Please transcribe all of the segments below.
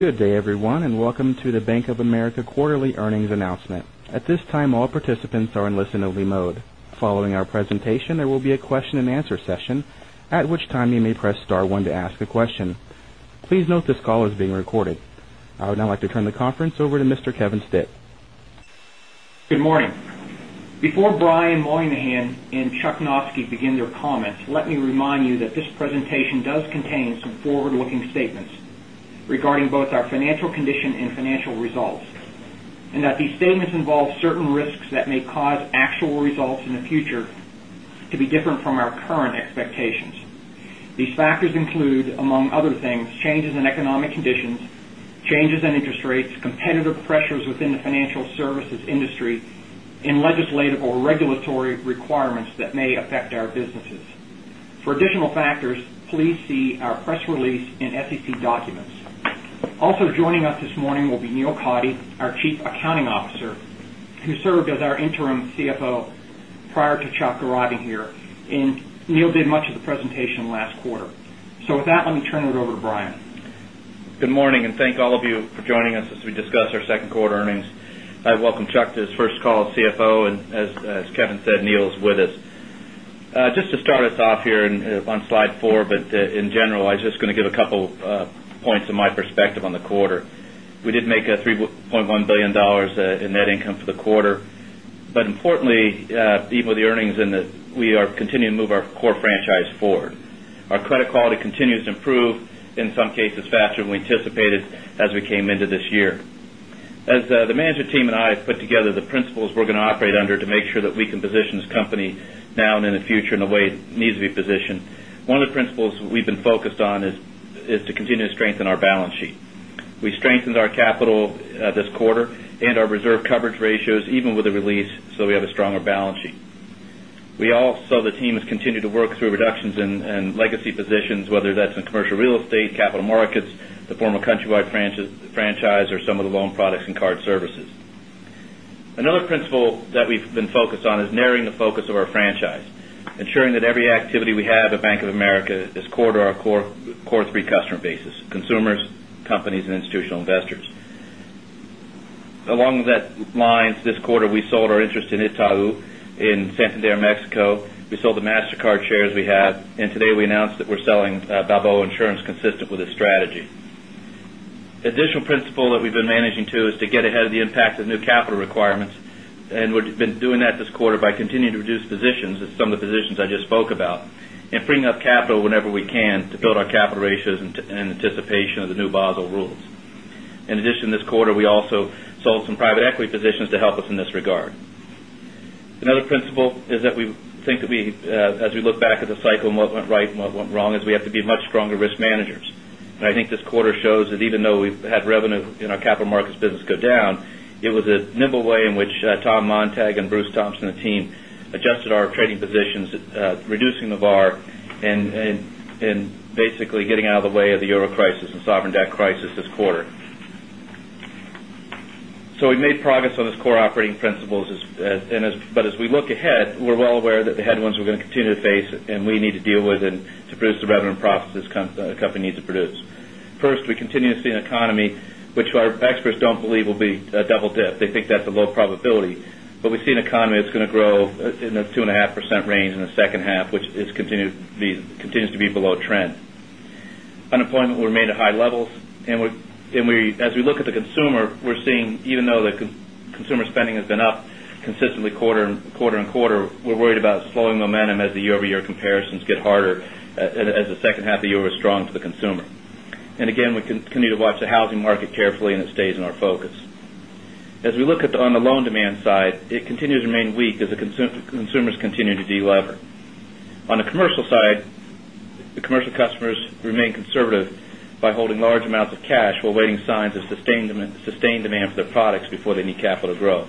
Good day, everyone, and welcome to the Bank of America Quarterly Earnings Announcement. At this time, all participants are in listen only mode. Following our presentation, there will be a question and answer session. Please note this call is being recorded. I would now like to turn the conference over to Mr. Kevin Stitt. Good morning. Before Brian Moynihan and Chuck Noske begin their comments, let me remind you that this presentation does contain some forward looking statements regarding both our financial condition and financial results and that these statements involve certain risks that may cause actual results in the future to be different from our current expectations. These factors include, among other things, changes in economic conditions, changes in interest rates, competitive pressures within the financial services industry and legislative or regulatory requirements that may affect our businesses. For additional factors, please see our press release and SEC documents. Also joining us this morning will be Neil Coddy, our Chief Accounting Officer, who served as our Interim CFO prior to Chuck arriving here. And Neil did much of the presentation last quarter. So with that, let me turn it over to Brian. Good morning, and thank all of you for joining us as we discuss our Q2 earnings. I welcome Chuck to his first call as CFO. As Kevin said, Neil is with us. Just to start us off here on slide 4, but in general, I'm just going to give a couple points of my perspective on the quarter. We did make a $3,100,000,000 in net income for the quarter. But importantly, even with the earnings and that we are continuing to move our core franchise forward. Our credit quality continues to improve, in some cases, faster than we anticipated as we came into this year. As the management team and I have put together the principles we're going to operate under to make sure that we can position this company now and in the future in a way it needs to be positioned, one of the principles we've been focused on is to continue to strengthen our balance sheet. We strengthened our capital this quarter and our reserve coverage ratios even with the release, so we have a stronger balance sheet. We also the team has continued to work through reductions in legacy positions, whether that's in commercial real estate, capital markets, the former Countrywide franchise or some of the loan products and card services. Another principle that we've been focused on is narrowing the focus of our franchise, ensuring that every activity we have America is core to our core 3 customer bases, consumers, companies and institutional investors. Along that lines, this quarter we sold our interest in Itau in Santander, Mexico. We sold the Mastercard shares we have. And today, we announced that we're selling Balboa Insurance consistent with this strategy. Additional principle that we've been managing to is to get ahead of the impact of new capital requirements and we've been doing that this quarter by continuing to reduce positions as some of the positions I just spoke about and bringing up capital whenever we can to build our capital ratios in anticipation of the new Basel rules. In addition, this quarter we also sold some private equity positions to help us in this regard. Another principle is that we think that we as we look back at the cycle and what went right and what went wrong is we have to be much stronger risk managers. And I think this quarter shows that even though we've had revenue in our capital markets business go down, it was a nimble way in which Tom Montag and Bruce Thompson and the team adjusted our trading positions, reducing the bar and basically getting out of the way of the euro crisis and sovereign debt crisis this quarter. So we made progress on principles. But as we look ahead, we're well aware that the headwinds we're going to continue to face and we need to deal with it to produce the revenue and profits this company needs to produce. 1st, we continue to see an economy, which our experts don't believe will be a double dip. They think that's a low probability. But we see an economy that's going to grow in the 2.5% range in the second half, which continues to be below trend. Unemployment will remain at high levels. And as we look at the consumer, we're seeing even though the consumer spending has been up consistently quarter on quarter, we're worried about slowing momentum as the year year comparisons get harder as the second half of the year was strong to the consumer. And again, we continue to watch the housing market carefully and it stays in our focus. As we look at on the loan demand side, it continues to remain weak as the consumers continue to delever. On the commercial side, the commercial customers remain conservative by holding large amounts of cash while waiting signs of sustained demand for their products before they need capital to grow.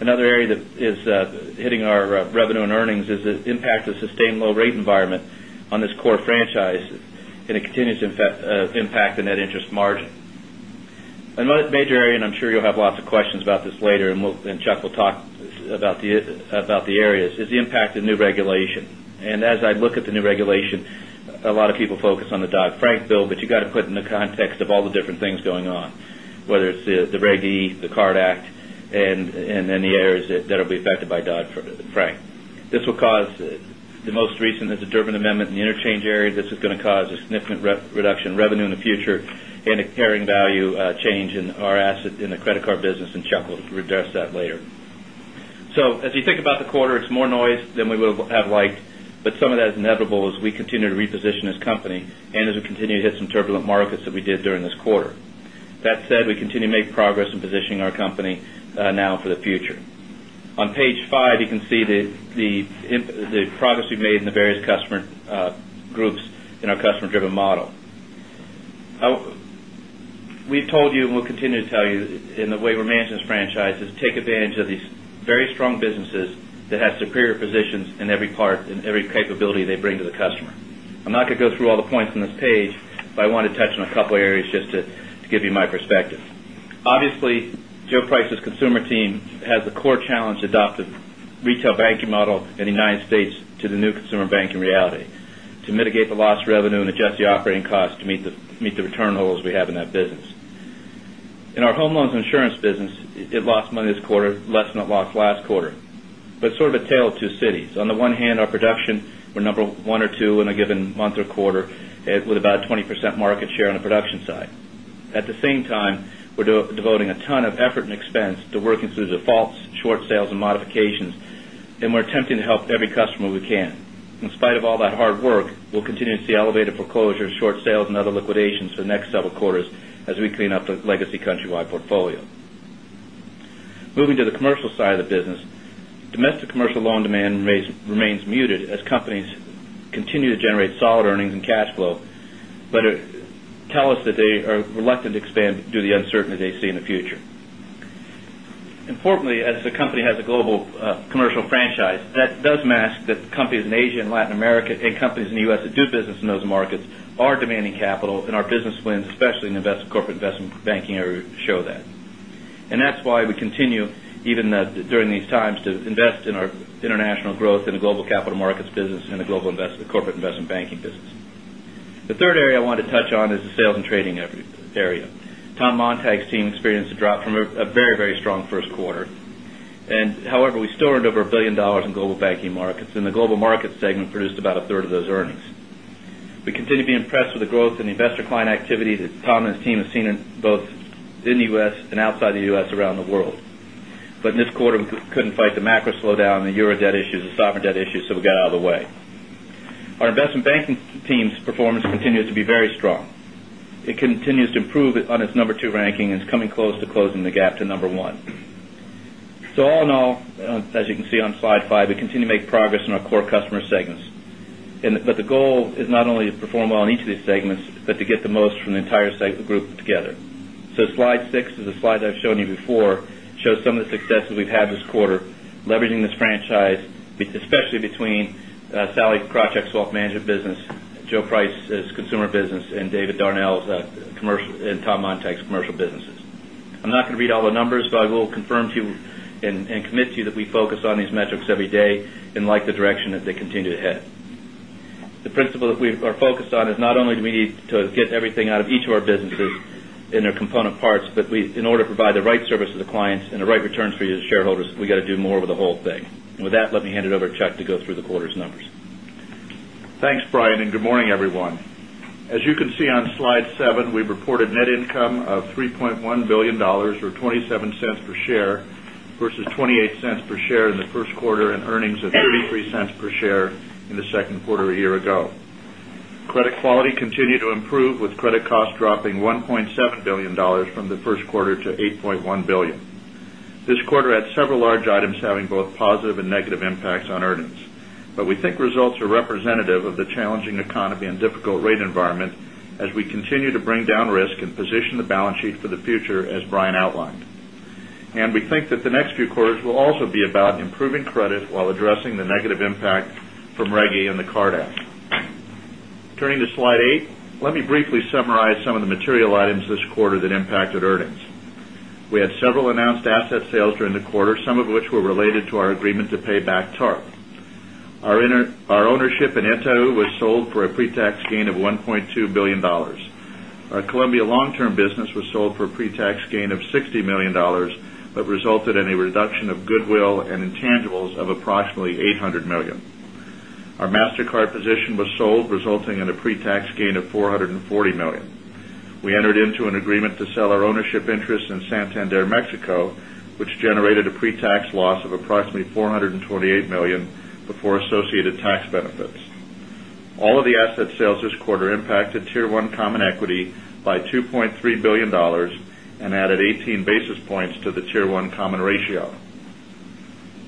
Another area that is hitting our revenue and earnings is the impact of sustained low rate environment on this core franchise and it continues to impact the net interest margin. A major area and I'm sure you'll have lots of questions about this later and Chuck will talk about the areas is the impact of new regulation. And as I look at the new regulation, a lot of people focus on the Dodd Frank bill, but you got to put in the context of all the different things going on, whether it's the Reg E, the Card Act and then the errors that will be affected by Dodd Frank. This will cause the most recent is the Durbin Amendment in the interchange area. This is going to cause a significant reduction in revenue in the future and a carrying value change in our asset in the credit card business and Chuck will address that later. So as you think about the quarter, it's more noise than we would have liked, but some of that is inevitable as we continue to reposition this company and as we continue to hit some turbulent markets that we did during this quarter. That said, we continue to make progress in positioning our company now for the future. On Page 5, you can see the progress we've made in the various customer groups in our customer driven model. We've told you and we'll continue to tell you in the waiver management franchise is take advantage of these very strong businesses that have superior positions in every part and every capability they bring to the customer. I'm not going to go through all the points in this page, but I want to touch on a couple of areas just to give you my perspective. Obviously, Joe Price's consumer team has a core challenge to adopt the retail banking model reality to mitigate the lost revenue and adjust the operating costs to meet the return levels we have in that business. In our home loans and insurance business, it lost money this quarter less than it lost last quarter, but sort of a tale of 2 cities. On the one hand, our production were number 1 or 2 in a given month or quarter with about 20% market share on the production side. At the same time, we're devoting a ton of effort and expense to working through defaults, short sales and modifications and we're attempting to help every customer we can. In spite of all that hard work, we'll continue to see elevated foreclosure, short sales and other liquidations for the next several quarters as we clean up the legacy Countrywide portfolio. Moving to the commercial side of the business, domestic commercial loan demand remains muted as companies continue to generate solid earnings and cash flow, but tell us that they are reluctant to expand due to the uncertainty they see in the future. Importantly, as the company has a global commercial franchise, that does that companies in Asia and Latin America and companies in the U. S. That do business in those markets are demanding capital and our business plans especially in corporate investment banking area show that. And that's why we continue even during these times to invest in our international growth in the global capital markets business and the global corporate investment banking business. The 3rd area I want to touch on is the sales and trading area. Tom Montag's team experienced a drop from a very, very strong Q1. And however, we still earned over $1,000,000,000 in global banking markets and the global market segment produced about a third of those earnings. We continue to be impressed with the growth in the investor client activity that Tom and his team have seen in both in the U. S. And outside the U. S. Around the world. But in this quarter, we couldn't fight the macro slowdown, the euro debt issues, the sovereign debt issues, so we got out of the way. Our investment banking team's performance continues to be very strong. It continues to improve on its 2 ranking and is coming close to closing the gap to 1. So all in all, as you can see on slide 5, we continue to make progress in our core customer segments. But the goal is not only to perform well in each of these segments, but to get the most from the entire group together. So slide 6 is the slide I've shown you before, shows some of the successes we've had this quarter leveraging this franchise, especially between Sally Krawcheck's Wealth Management business, Joe Price's consumer business and David Darnell's commercial and Tom Montec's commercial businesses. I'm not going to read all the numbers, but I will confirm to you and commit to you that we focus on these metrics every day and like the direction as they continue to head. The principle that we are focused on is not only do we need to get everything out of each of our businesses in their component parts, but we in order to provide the right service to the clients and the right returns for you to shareholders, we got to do more over the whole thing. And with that, let me hand it over to Chuck to go through the quarter's numbers. Thanks, Brian, and good morning, everyone. As you can see on Slide 7, we reported net income of $3,100,000,000 or $0.27 per share versus $0.28 per share in the Q1 and earnings of $0.33 per share in the Q2 a year ago. Credit quality continued to improve with credit costs dropping $1,700,000,000 from the 1st quarter to $8,100,000,000 This quarter had several large items having both positive and negative impacts on earnings. But we think results are representative of the challenging economy and difficult rate environment as we continue to bring down risk and position the balance sheet for the future as Brian outlined. And we think that the Reg E and the Card Act. Turning to Slide 8, let me briefly summarize some of the material items this quarter that impacted earnings. We had several announced asset sales during the quarter, some of which were related to our agreement to pay back TARP. Our ownership in Entau was sold for a pre tax gain of $1,200,000,000 Our Columbia long term business was sold for pre tax gain of $60,000,000 but resulted in a reduction of goodwill and intangibles of approximately 800 $1,000,000 Our Mastercard position was sold resulting in a pre tax gain of $440,000,000 We entered into an agreement to sell our ownership interest in Santander, Mexico which generated a pre tax loss of approximately $428,000,000 before associated tax benefits. All of the asset sales this quarter impacted Tier 1 common equity by $2,300,000,000 and added 18 basis points to the Tier 1 common ratio.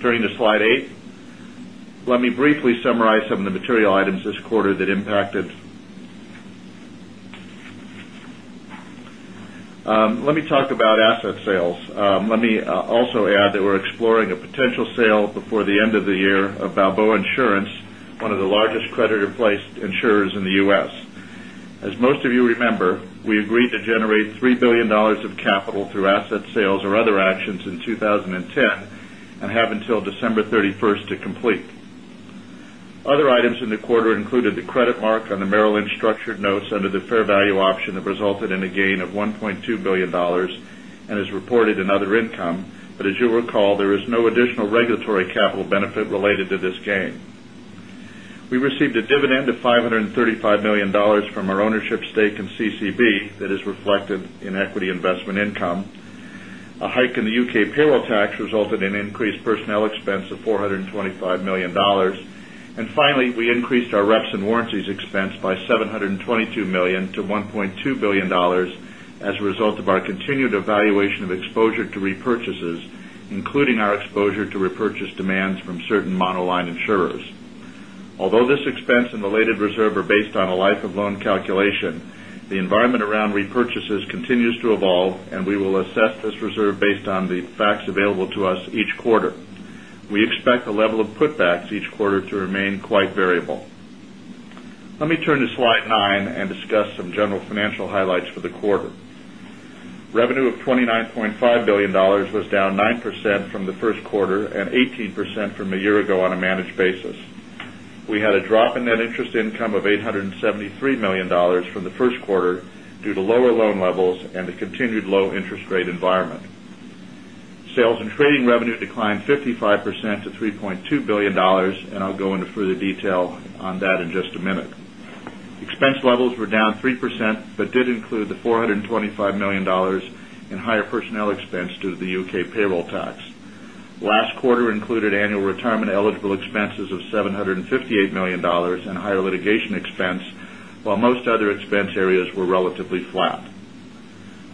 Turning to Slide 8. Let me briefly summarize some of the material items this quarter that Let me talk about asset sales. Let me also add that we're exploring a potential sale before the end of the year of Balboa Insurance, one of the largest creditor placed insurers in the U. S. As most of you remember, we agreed to generate $3,000,000,000 of capital through asset sales or other actions in 2010 and have until December 31st to complete. Other items in the quarter included the credit mark on the Maryland structured notes under the fair value option that resulted in a gain of 1 $200,000,000 and as reported in other income, but as you'll recall there is no additional regulatory capital benefit related to this gain. We received a dividend of $535,000,000 from our ownership stake in CCB that is reflected in equity investment income. A hike in the UK payroll tax resulted in increased personnel expense of $425,000,000 And finally, we increased our reps and warranties expense by $722,000,000 to $1,200,000,000 as a result of our continued evaluation of exposure to repurchases, including our exposure to repurchase demands from certain monoline insurers. Although this expense and related reserve are based on a life of loan calculation, the environment around repurchases continues to evolve and we will assess this reserve based on the facts available to us each quarter. We expect the level of putbacks each quarter to remain quite variable. Let me turn to Slide 9 and discuss some general highlights for the quarter. Revenue of $29,500,000,000 was down 9% from the 1st quarter and 18 percent from a year ago on a managed basis. We had a drop in net interest income of $873,000,000 from the 1st quarter due to lower loan levels and the continued low interest rate environment. Sales and trading revenue declined 55 percent to $3,200,000,000 and I'll go into further detail on that in just a minute. Expense levels were down 3%, but did include the $425,000,000 in higher personnel expense due to the UK payroll tax. Last quarter included annual retirement eligible expenses of $758,000,000 and higher litigation expense, while most other expense areas were relatively flat.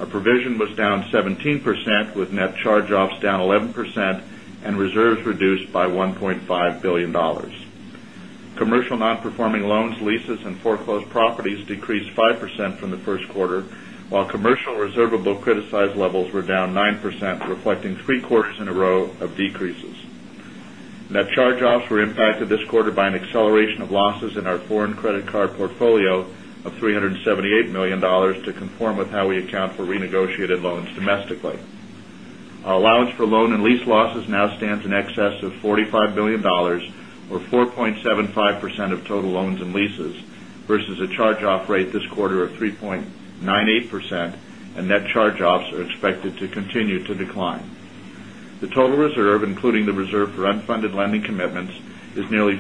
Our provision was down 17% with net charge offs down 11% and reserves reduced by $1,500,000,000 Commercial non performing loans, leases and foreclosed properties decreased 5% from the Q1, while commercial reservable criticized levels were down 9%, reflecting 3 quarters in a row of decreases. Net charge offs were impacted this quarter by an acceleration of losses in our foreign credit card portfolio of $378,000,000 conform with how we account for renegotiated loans domestically. Our allowance for loan and lease losses now stands in excess of $45,000,000,000 or 4.75 percent of total loans and leases versus a charge off rate this quarter of 3.98% and net charge offs are expected to continue to decline. The total reserve, including the reserve for unfunded lending commitments, is nearly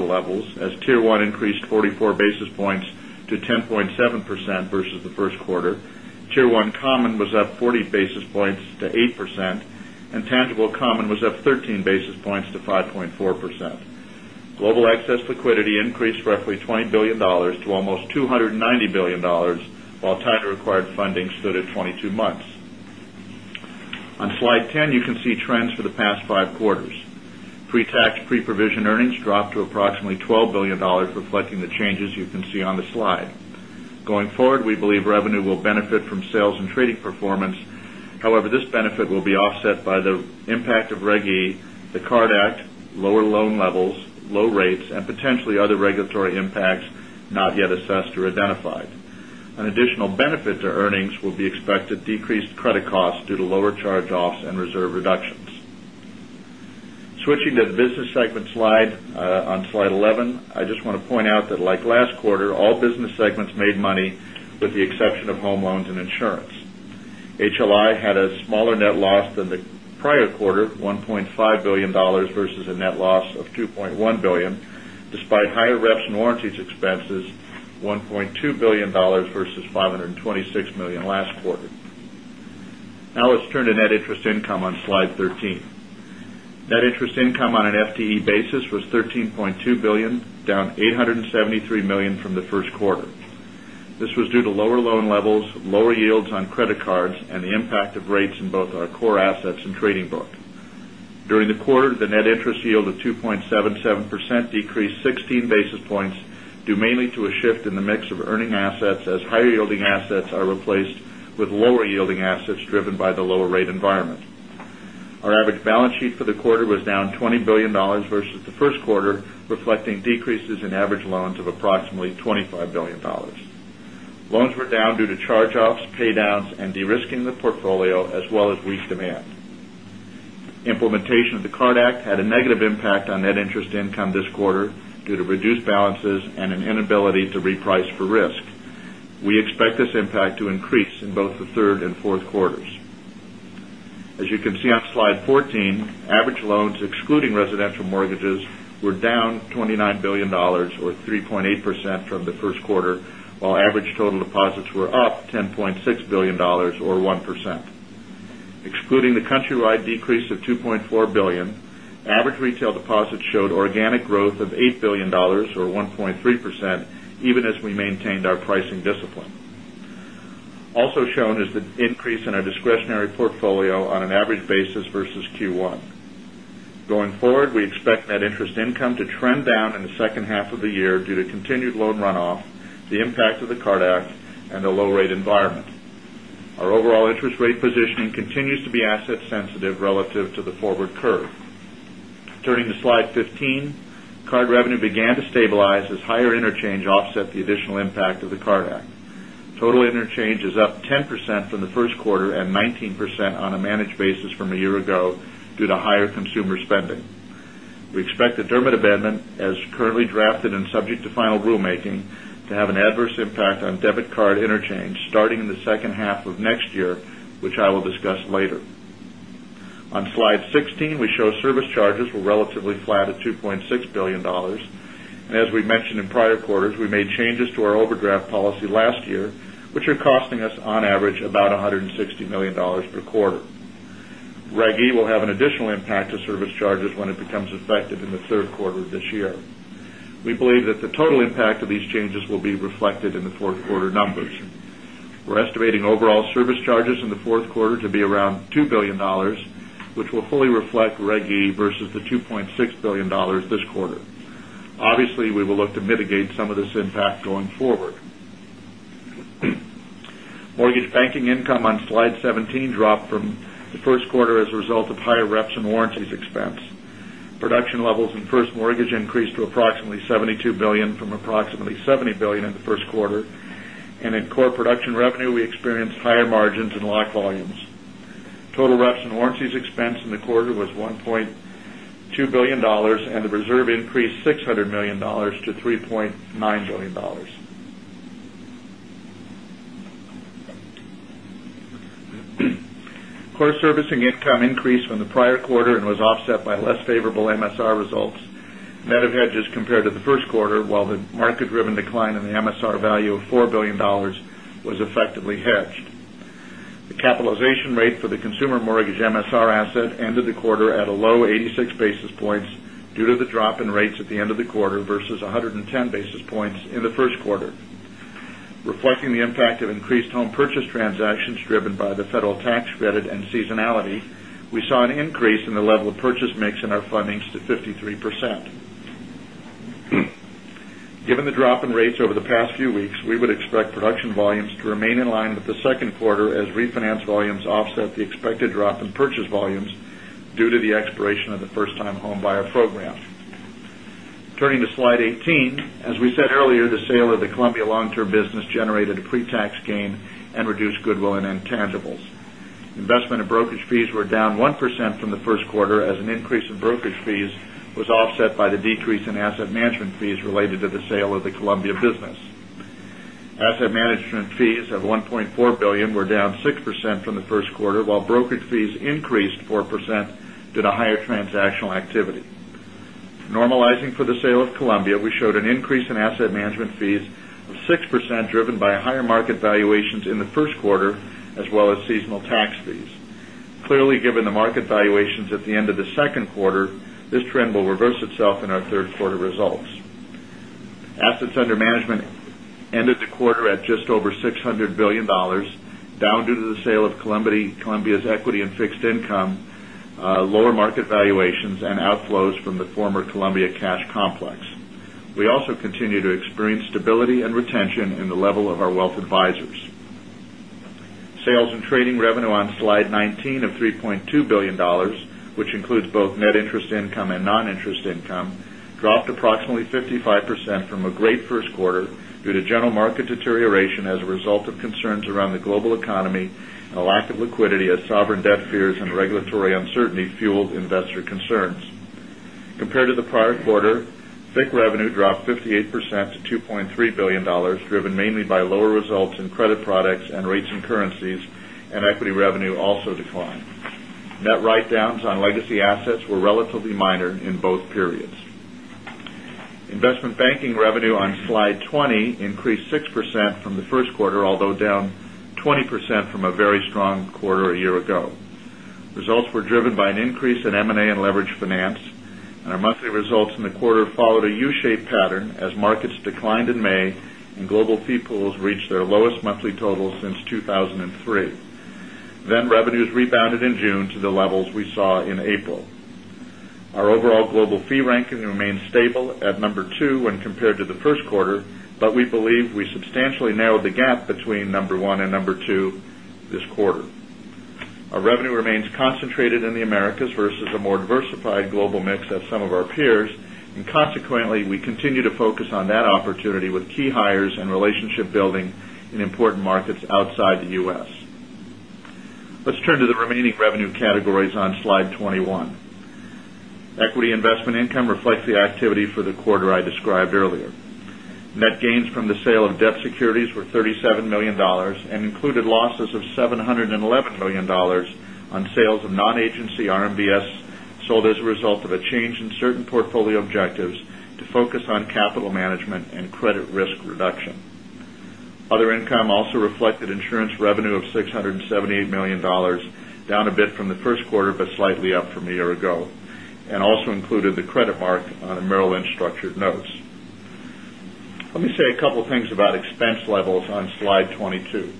levels as Tier 1 increased 44 basis points to 10.7% versus the 1st quarter. Tier 1 common was up 40 basis points to 8% and tangible common was up 13 basis points to 5.4%. Global excess liquidity increased roughly $20,000,000,000 almost $290,000,000,000 while tighter required funding stood at 22 months. On Slide 10, you can see trends for the past 5 quarters. Pre tax pre provision earnings dropped to approximately $12,000,000,000 reflecting the changes you can see on the forward, we believe revenue will benefit from sales and trading performance. However, this benefit will be offset by the impact of Reg E, the Card Act, lower loan levels, low rates and potentially other regulatory impacts not yet assessed or identified. Benefit to earnings will be expected decreased credit costs due to lower charge offs and reserve reductions. Switching to the business segment slide on Slide 11. I just want to point out that like last quarter, all business segments made money with the exception of home loans and insurance. HLI a smaller net loss than the prior quarter, dollars 1,500,000,000 versus a net loss of $2,100,000,000 despite higher reps and warranties expenses, dollars 1,200,000,000 versus $526,000,000 last quarter. Now let's turn to net interest income on Slide 13. Net interest income on an FTE basis was $13,200,000,000 down $873,000,000 from the Q1. This was due to lower loan levels, lower yields on credit cards and the impact of rates in both our core assets and trading book. During the quarter, the net interest yield of 2.7 7% decreased 16 basis points due mainly to a shift in the mix of earning assets as higher lower yielding assets driven by the lower rate environment. Our average balance sheet for the quarter was down $20,000,000,000 versus the Q1, reflecting decreases in average loans of approximately $25,000,000,000 Loans were down due to charge offs, pay downs and de risking the portfolio as well as weak demand. Implementation of the Card Act had a negative impact on net interest income this quarter due to reduced can see on slide 14, average loans excluding residential mortgages were down $29,000,000,000 or 3.8 percent from the 1st quarter, while while dollars average retail deposits showed organic growth of $8,000,000,000 or 1.3 percent even as we maintained our pricing discipline. Also shown is the increase in our discretionary portfolio on an average basis versus Q1. Going forward, we expect net interest income to trend down in the second half of the year due to continued loan runoff, the impact of the card act and the low rate environment. Our overall interest rate positioning additional impact of the as higher interchange offset the additional impact of the Card Act. Total interchange is up 10% from the 1st quarter and 19% on a managed basis from a year ago due to higher consumer spending. We expect the Dermot amendment as currently drafted and subject to final rulemaking to have an adverse impact on debit card interchange starting in the second half of next year, which I will discuss later. On Slide 16, we show service charges were relatively flat at $2,600,000,000 And as we mentioned in prior quarters, we made changes to our overdraft policy last year, which are costing us on average about $160,000,000 per quarter. Reg E will have an additional impact to service charges when it becomes effective in the Q3 of this year. We believe that the total impact of these changes will be reflected in the 4th quarter numbers. We're estimating overall service charges in the Q4 to be around $2,000,000,000 which will fully reflect Reg E versus the $2,600,000,000 this quarter. Obviously, we will look to mitigate some of this impact going forward. Mortgage banking income on Slide 17 dropped from the Q1 as a result of higher reps and warranties expense. Production levels in 1st mortgage increased to approximately $72,000,000,000 from approximately $70,000,000,000 in the Q1. And in core production revenue, we experienced higher margins and lock volumes. Total Russian warranties expense in the quarter was 1 point $1,000,000,000 to $3,900,000,000 Core servicing income increased from the prior quarter and was offset by less favorable MSR results, net of hedges compared to the Q1 while the market driven decline in the MSR value of $4,000,000,000 was effectively hedged. The capitalization rate for the consumer mortgage MSR asset ended the quarter at a low 86 basis due to the drop in rates at the end of the quarter versus 110 basis points in the Q1. Reflecting the impact of increased home purchase transactions driven by the federal tax credit and seasonality, we saw an increase in the level of purchase mix in our fundings to 53%. Given the drop in rates over the past few weeks, we would expect production volumes to remain in line with the 2nd quarter as refinance volumes offset the expected drop in purchase volumes due to the a pretax gain and reduced goodwill and intangibles. Investment in brokerage fees were down 1% from the Q1 as an increase in brokerage fees was offset the decrease in asset management fees related to the sale of the Columbia business. Asset management fees of $1,400,000,000 were down 6% from the of 6% driven by higher market valuations in the Q1 as well as seasonal tax fees. Clearly, given the market valuations at the end of the second quarter, this trend will reverse itself in our 3rd quarter results. Assets under management ended the quarter at just over $600,000,000,000 down due to the sale of Columbia's equity and fixed income, lower market valuations and outflows from the former Columbia Cash Complex. We also continue to experience stability and retention in the level of our wealth advisors. Sales and trading revenue on Slide 19 of $3,200,000,000 which includes both net interest income and non interest income, dropped approximately 50 5% from a great Q1 due to general market deterioration as a result of concerns around the global economy and a lack of liquidity as sovereign debt fears and regulatory uncertainty fueled investor concerns. Compared to the prior quarter, FICC revenue dropped 58% to $2,300,000,000 driven mainly by lower the Q1, although down 20% from a very strong quarter a year ago. Results were driven by an increase in M and A and leverage finance and our monthly results in the quarter followed a U shaped pattern as markets declined in May and global fee pools reached their lowest monthly total since 2,003. Then revenues rebounded in June to the levels we saw in April. Our overall global fee ranking remained stable at number 2 when compared to the Q1, but we believe we substantially narrowed the gap between number 1 and number 2 this quarter. Our revenue remains concentrated in the Americas versus a more diversified global mix as some of our peers and consequently we continue to focus on that opportunity with key hires and relationship building in important markets outside the U. S. Let's turn to the remaining S. Let's turn to the remaining revenue categories on Slide 21. Equity investment income reflects the activity for the quarter I described earlier. Net gains from the sale of debt securities were $37,000,000 and included losses of $711,000,000 on sales of non agency RMBS sold as a result of a change in certain portfolio objectives to focus on capital management and credit risk reduction. Other income also reflected insurance revenue of 678,000,000 dollars down a bit from the Q1, but slightly up from a year ago, and also included the credit mark on a Maryland structured notes. Let me say a couple of things about expense levels on Slide 22.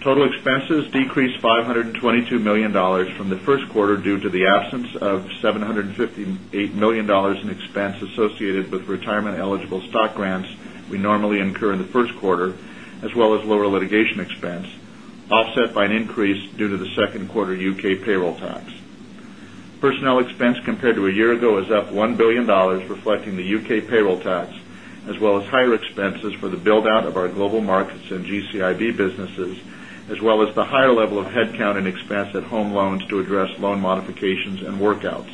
Total expenses decreased $522,000,000 from the first quarter due to the absence of $758,000,000 in expense associated with retirement eligible stock grants we normally incur in the Q1 as well as lower litigation expense, offset by an increase due to the Q2 UK payroll tax. Personnel expense compared to a year ago was up $1,000,000,000 reflecting the UK payroll tax as well as higher expenses for the build out of our global markets and GCIB businesses as well as the higher level of headcount and expense at home loans to address loan modifications and workouts.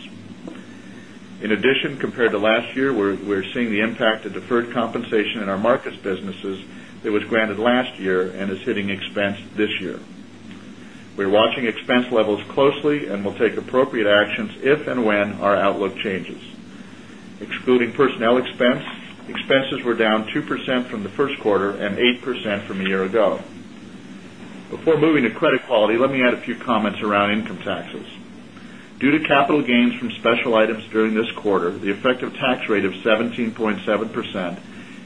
In addition, compared to last year, we're seeing the impact of deferred compensation in our markets businesses that was granted last year and is hitting expense this year. We're watching expense levels closely and we'll take appropriate actions if and when our outlook changes. Excluding personnel expense, expenses were down 2% from the 1st quarter and 8% from a year ago. Before moving to credit quality, let me add a few comments around income taxes. Due to capital gains from special items during this quarter, the effective tax rate of 17.7 percent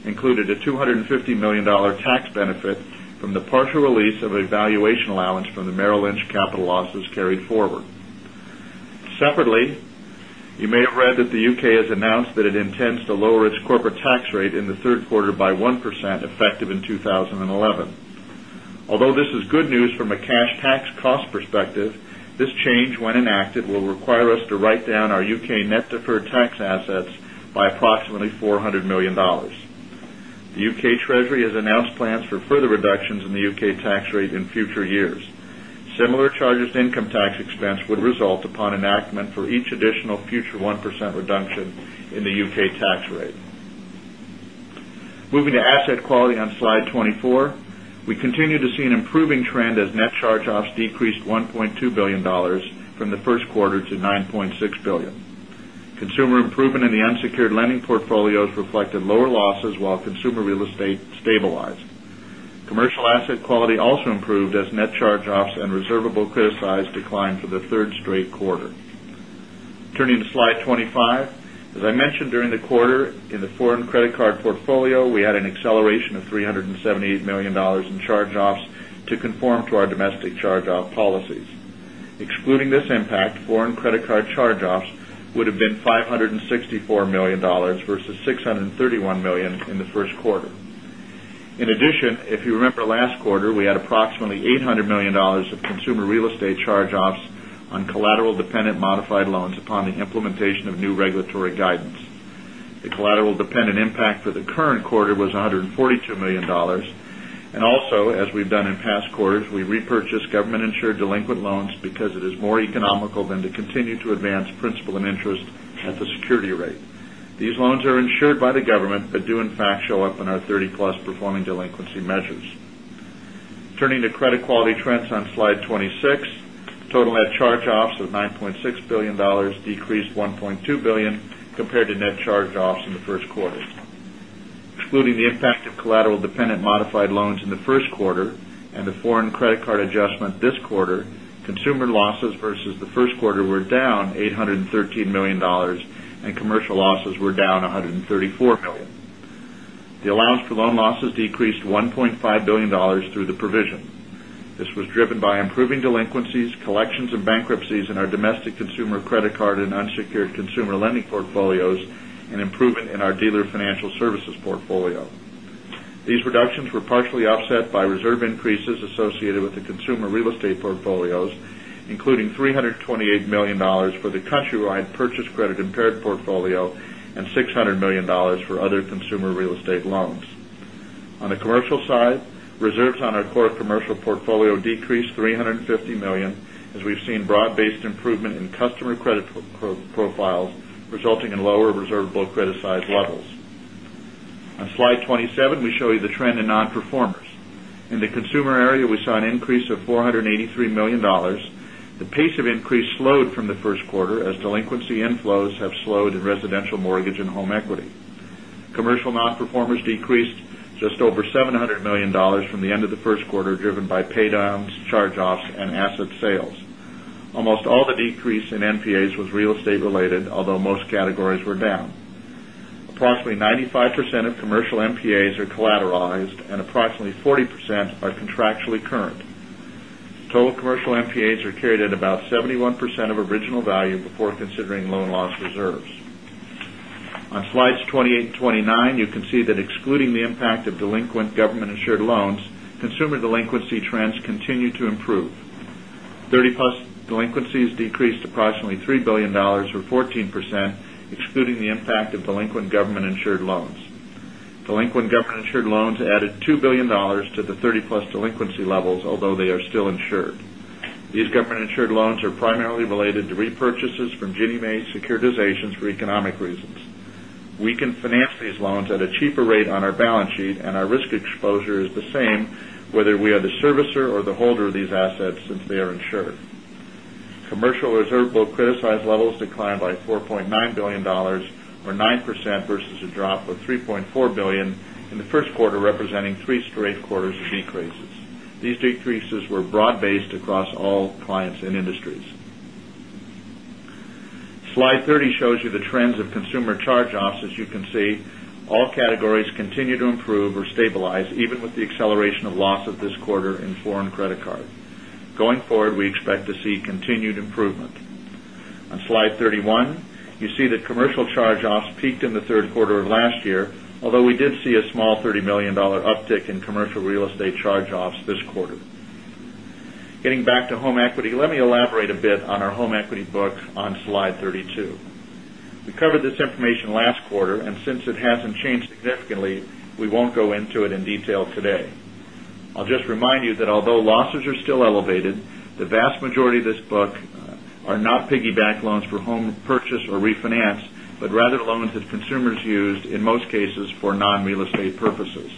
included a $250,000,000 tax benefit from the partial release of a valuation allowance from the Merrill Lynch capital losses carried forward. Separately, you may have read that the UK has announced that it intends to lower its corporate tax rate in the Q3 by 1% effective in 2011. Although this is good news from a cash tax $400,000,000 The UK Treasury has announced plans for further reductions in the UK tax rate in future years. Similar charges to income tax expense would result upon enactment for each additional future 1% reduction in the UK tax rate. Moving to asset quality on slide 24. We continue to see an improving trend as net charge offs decreased $1,200,000,000 from the Q1 to $9,600,000,000 Consumer improvement in the unsecured lending portfolios reflected lower losses while consumer real estate stabilized. Commercial asset quality also improved as net charge offs and reservable criticized declined for the 3rd straight quarter. Turning 25. As I mentioned during the quarter, in the foreign credit card portfolio, we had an acceleration of $378,000,000 in charge offs to conform to our domestic charge off policies. Excluding this impact, foreign credit card charge offs would have been 564 dollars versus $631,000,000 in the Q1. In addition, if you remember last quarter, we had approximately $800,000,000 of consumer real estate charge offs on collateral dependent modified loans upon the implementation of new regulatory guidance. The collateral dependent The collateral dependent impact for the current quarter was $142,000,000 And also as we've done in past quarters, we repurchased government insured delinquent loans because it is more economical than to continue to advance principal and interest at the security rate. These loans are insured by the government, but do in fact show up in our 30 plus performing delinquency measures. Turning to credit quality trends on Slide 26. Total net charge offs of $9,600,000,000 decreased $1,200,000,000 compared to net charge offs in the Q1. Excluding the impact of collateral dependent modified loans in the Q1 and foreign credit card adjustment this quarter, consumer losses versus the Q1 were down $813,000,000 and commercial losses were down $134,000,000 The allowance for loan losses decreased $1,500,000,000 through the provision. This was driven by improving delinquencies, collections of bankruptcies in our domestic consumer credit card and unsecured consumer lending portfolios and the consumer real estate portfolios, including $328,000,000 for the Countrywide purchase credit impaired portfolio and 600,000,000 dollars for other consumer real estate loans. On the commercial side, reserves on our core commercial portfolio decreased $350,000,000 as we've seen broad based improvement in customer credit profiles, resulting in lower reservable credit size levels. On slide 20 7, we show you the trend in non performers. In the consumer area, we saw an increase of $483,000,000 The pace of increase slowed from the 1st quarter as delinquency inflows have slowed in residential mortgage and home equity. Commercial non performers decreased just over $700,000,000 from the end of the first quarter driven by pay downs, charge offs and asset sales. Almost all the decrease in NPAs was real estate related, although most categories were down. Approximately 95 of commercial NPAs are collateralized and approximately 40% are contractually current. Total commercial NPAs are carried at about 71% of original value before considering loan loss reserves. On Slides 2829, you can see that excluding the impact of delinquent government insured loans, consumer delinquency trends continue to improve. 30 plus delinquencies 30 insured loans added $2,000,000,000 to the 30 plus delinquency levels, although they are still insured. These government insured loans are primarily related economic reasons. We can finance these loans at a cheaper rate on our balance sheet and our risk exposure is the same whether we are the servicer or the holder of these assets since they are insured. Commercial reservable criticized levels declined by 4,900,000,000 dollars or 9% versus a drop of $3,400,000,000 in the 1st quarter representing 3 straight quarters of decreases. These decreases were broad based across all clients and industries. Slide 30 shows you the trends of consumer charge offs. As you can see, all categories continue to improve or stabilize even with the acceleration of losses this quarter in foreign credit card. Going forward, we expect to see continued improvement. On Slide 31, you see that commercial charge offs peaked in the Q3 of last year, although we did see a small losses are still elevated, the vast majority of this book are not piggyback loans for home purchase or refinance, but rather loans that consumers used in most cases for non real estate purposes.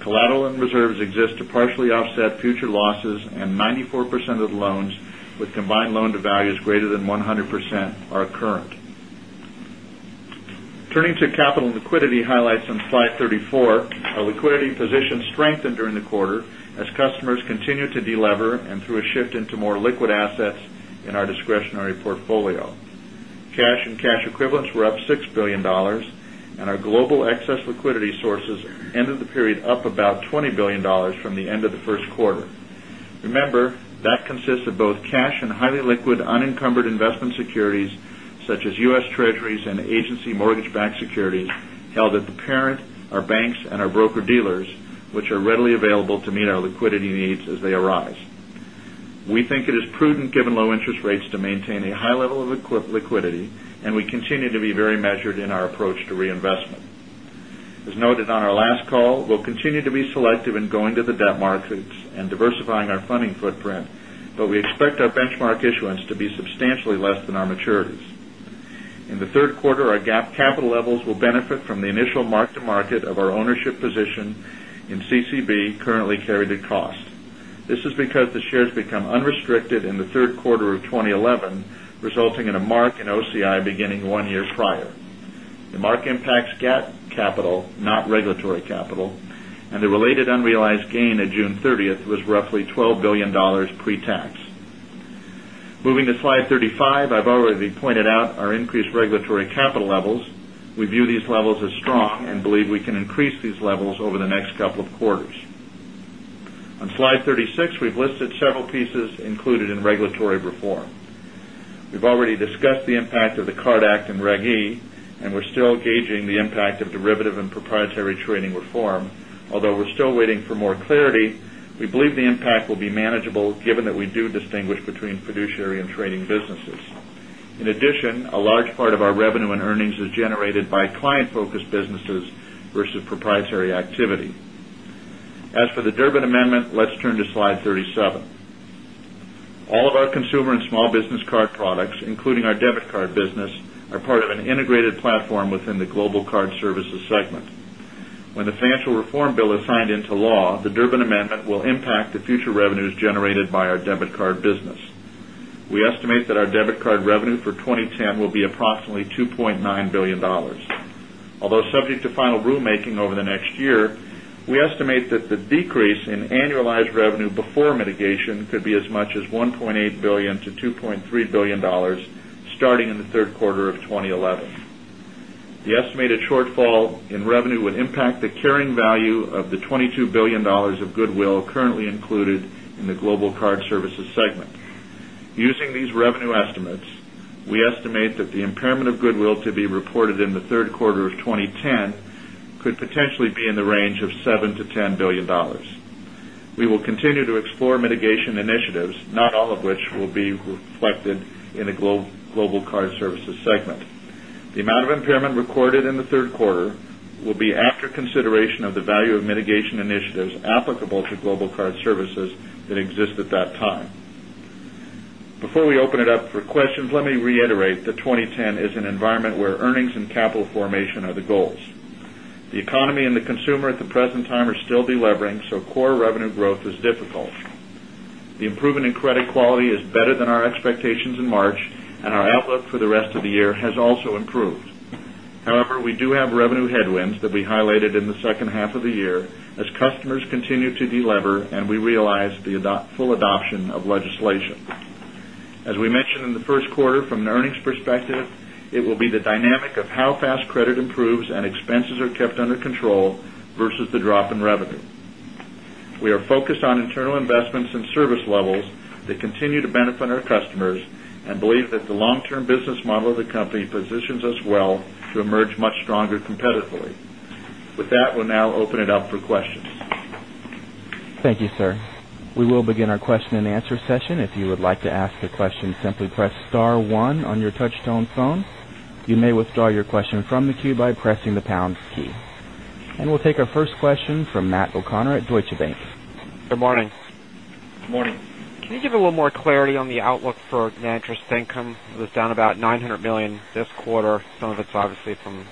Collateral and reserves exist to partially offset future losses 94% of loans with combined loan to values greater than 100% are current. Turning to capital and liquidity highlights on Slide 34, our liquidity position strengthened during the quarter as customers continued to delever and through a shift into more liquid assets in our discretionary portfolio. Cash and cash equivalents were up $6,000,000,000 and our global excess liquidity sources ended the the such as U. S. Treasuries and agency mortgage backed securities held at the parent, our banks and our broker dealers, which are readily and we continue to be very measured in our approach to reinvestment. As noted on our last call, we'll continue to be selective in going to the debt markets markets and diversifying our funding footprint, but we expect our benchmark issuance to be substantially less than our maturities. In the Q3, our GAAP capital levels will benefit from the initial mark to market of our ownership position in CCB currently carried at cost. This is because the shares become unrestricted in the Q3 of 2011 resulting in a mark in OCI beginning 1 year prior. The mark impacts GAAP capital, not regulatory capital, and the related unrealized gain at June 30 was roughly $12,000,000,000 pretax. Moving to Slide 35, I've already pointed out our increased regulatory capital levels. We view these levels as strong and believe we can increase these levels over the next couple of quarters. 36, we've listed several pieces included in regulatory reform. We've already discussed the impact of the Card Act and Reg E and we're still gauging the impact of derivative and proprietary trading reform. Although we're still waiting for more clarity, we believe the impact will be manageable given that we do distinguish between fiduciary and trading businesses. In addition, a large part of our revenue and earnings is generated by client focused businesses versus proprietary activity. As for the Durbin amendment, let's turn to Slide 37. All of our consumer and small business card products, including our debit card business, are part of an integrated platform within the Global Card Services segment. When the financial reform bill is signed into law, the Durbin Amendment will impact the future revenues generated by our debit card business. We estimate that our debit card revenue for $2,900,000,000 Although subject to final room making over the next year, we estimate that the decrease in annualized revenue before mitigation could be as much as $1,800,000,000 to $2,300,000,000 starting in the Q3 of 2011. The estimated shortfall in revenue would impact the carrying value of the $22,000,000,000 of goodwill currently included in the Global Card Services segment. Using these revenue estimates, we estimate that the impairment of goodwill to be reported in the Q3 of 2010 could potentially be in the range of $7,000,000,000 to $10,000,000,000 We will continue to explore mitigation initiatives, not all of which will be reflected in the Global Card Services segment. The amount of impairment recorded in the Q3 will be after consideration of the value of mitigation initiatives applicable to Global Card Services that exist at that time. Before we open it up for questions, let me reiterate that 20.10 is an environment where earnings and capital formation are the goals. The economy and the consumer at the present time are still delevering, so core revenue growth is difficult. The improvement in credit quality is better than our expectations in March and our outlook for the rest of the year has also improved. However, we do have revenue headwinds that we highlighted in the second half of the year as customers continue to delever and we realize the full adoption of legislation. As we mentioned in the Q1 from an earnings perspective, it will be the dynamic of how fast credit improves and expenses are are that And we'll take our first question from Matt O'Connor at Deutsche Bank. Good morning. Good morning. Can you give a little more clarity on the outlook for net interest income? It was down about $900,000,000 this quarter. Some of it's obviously from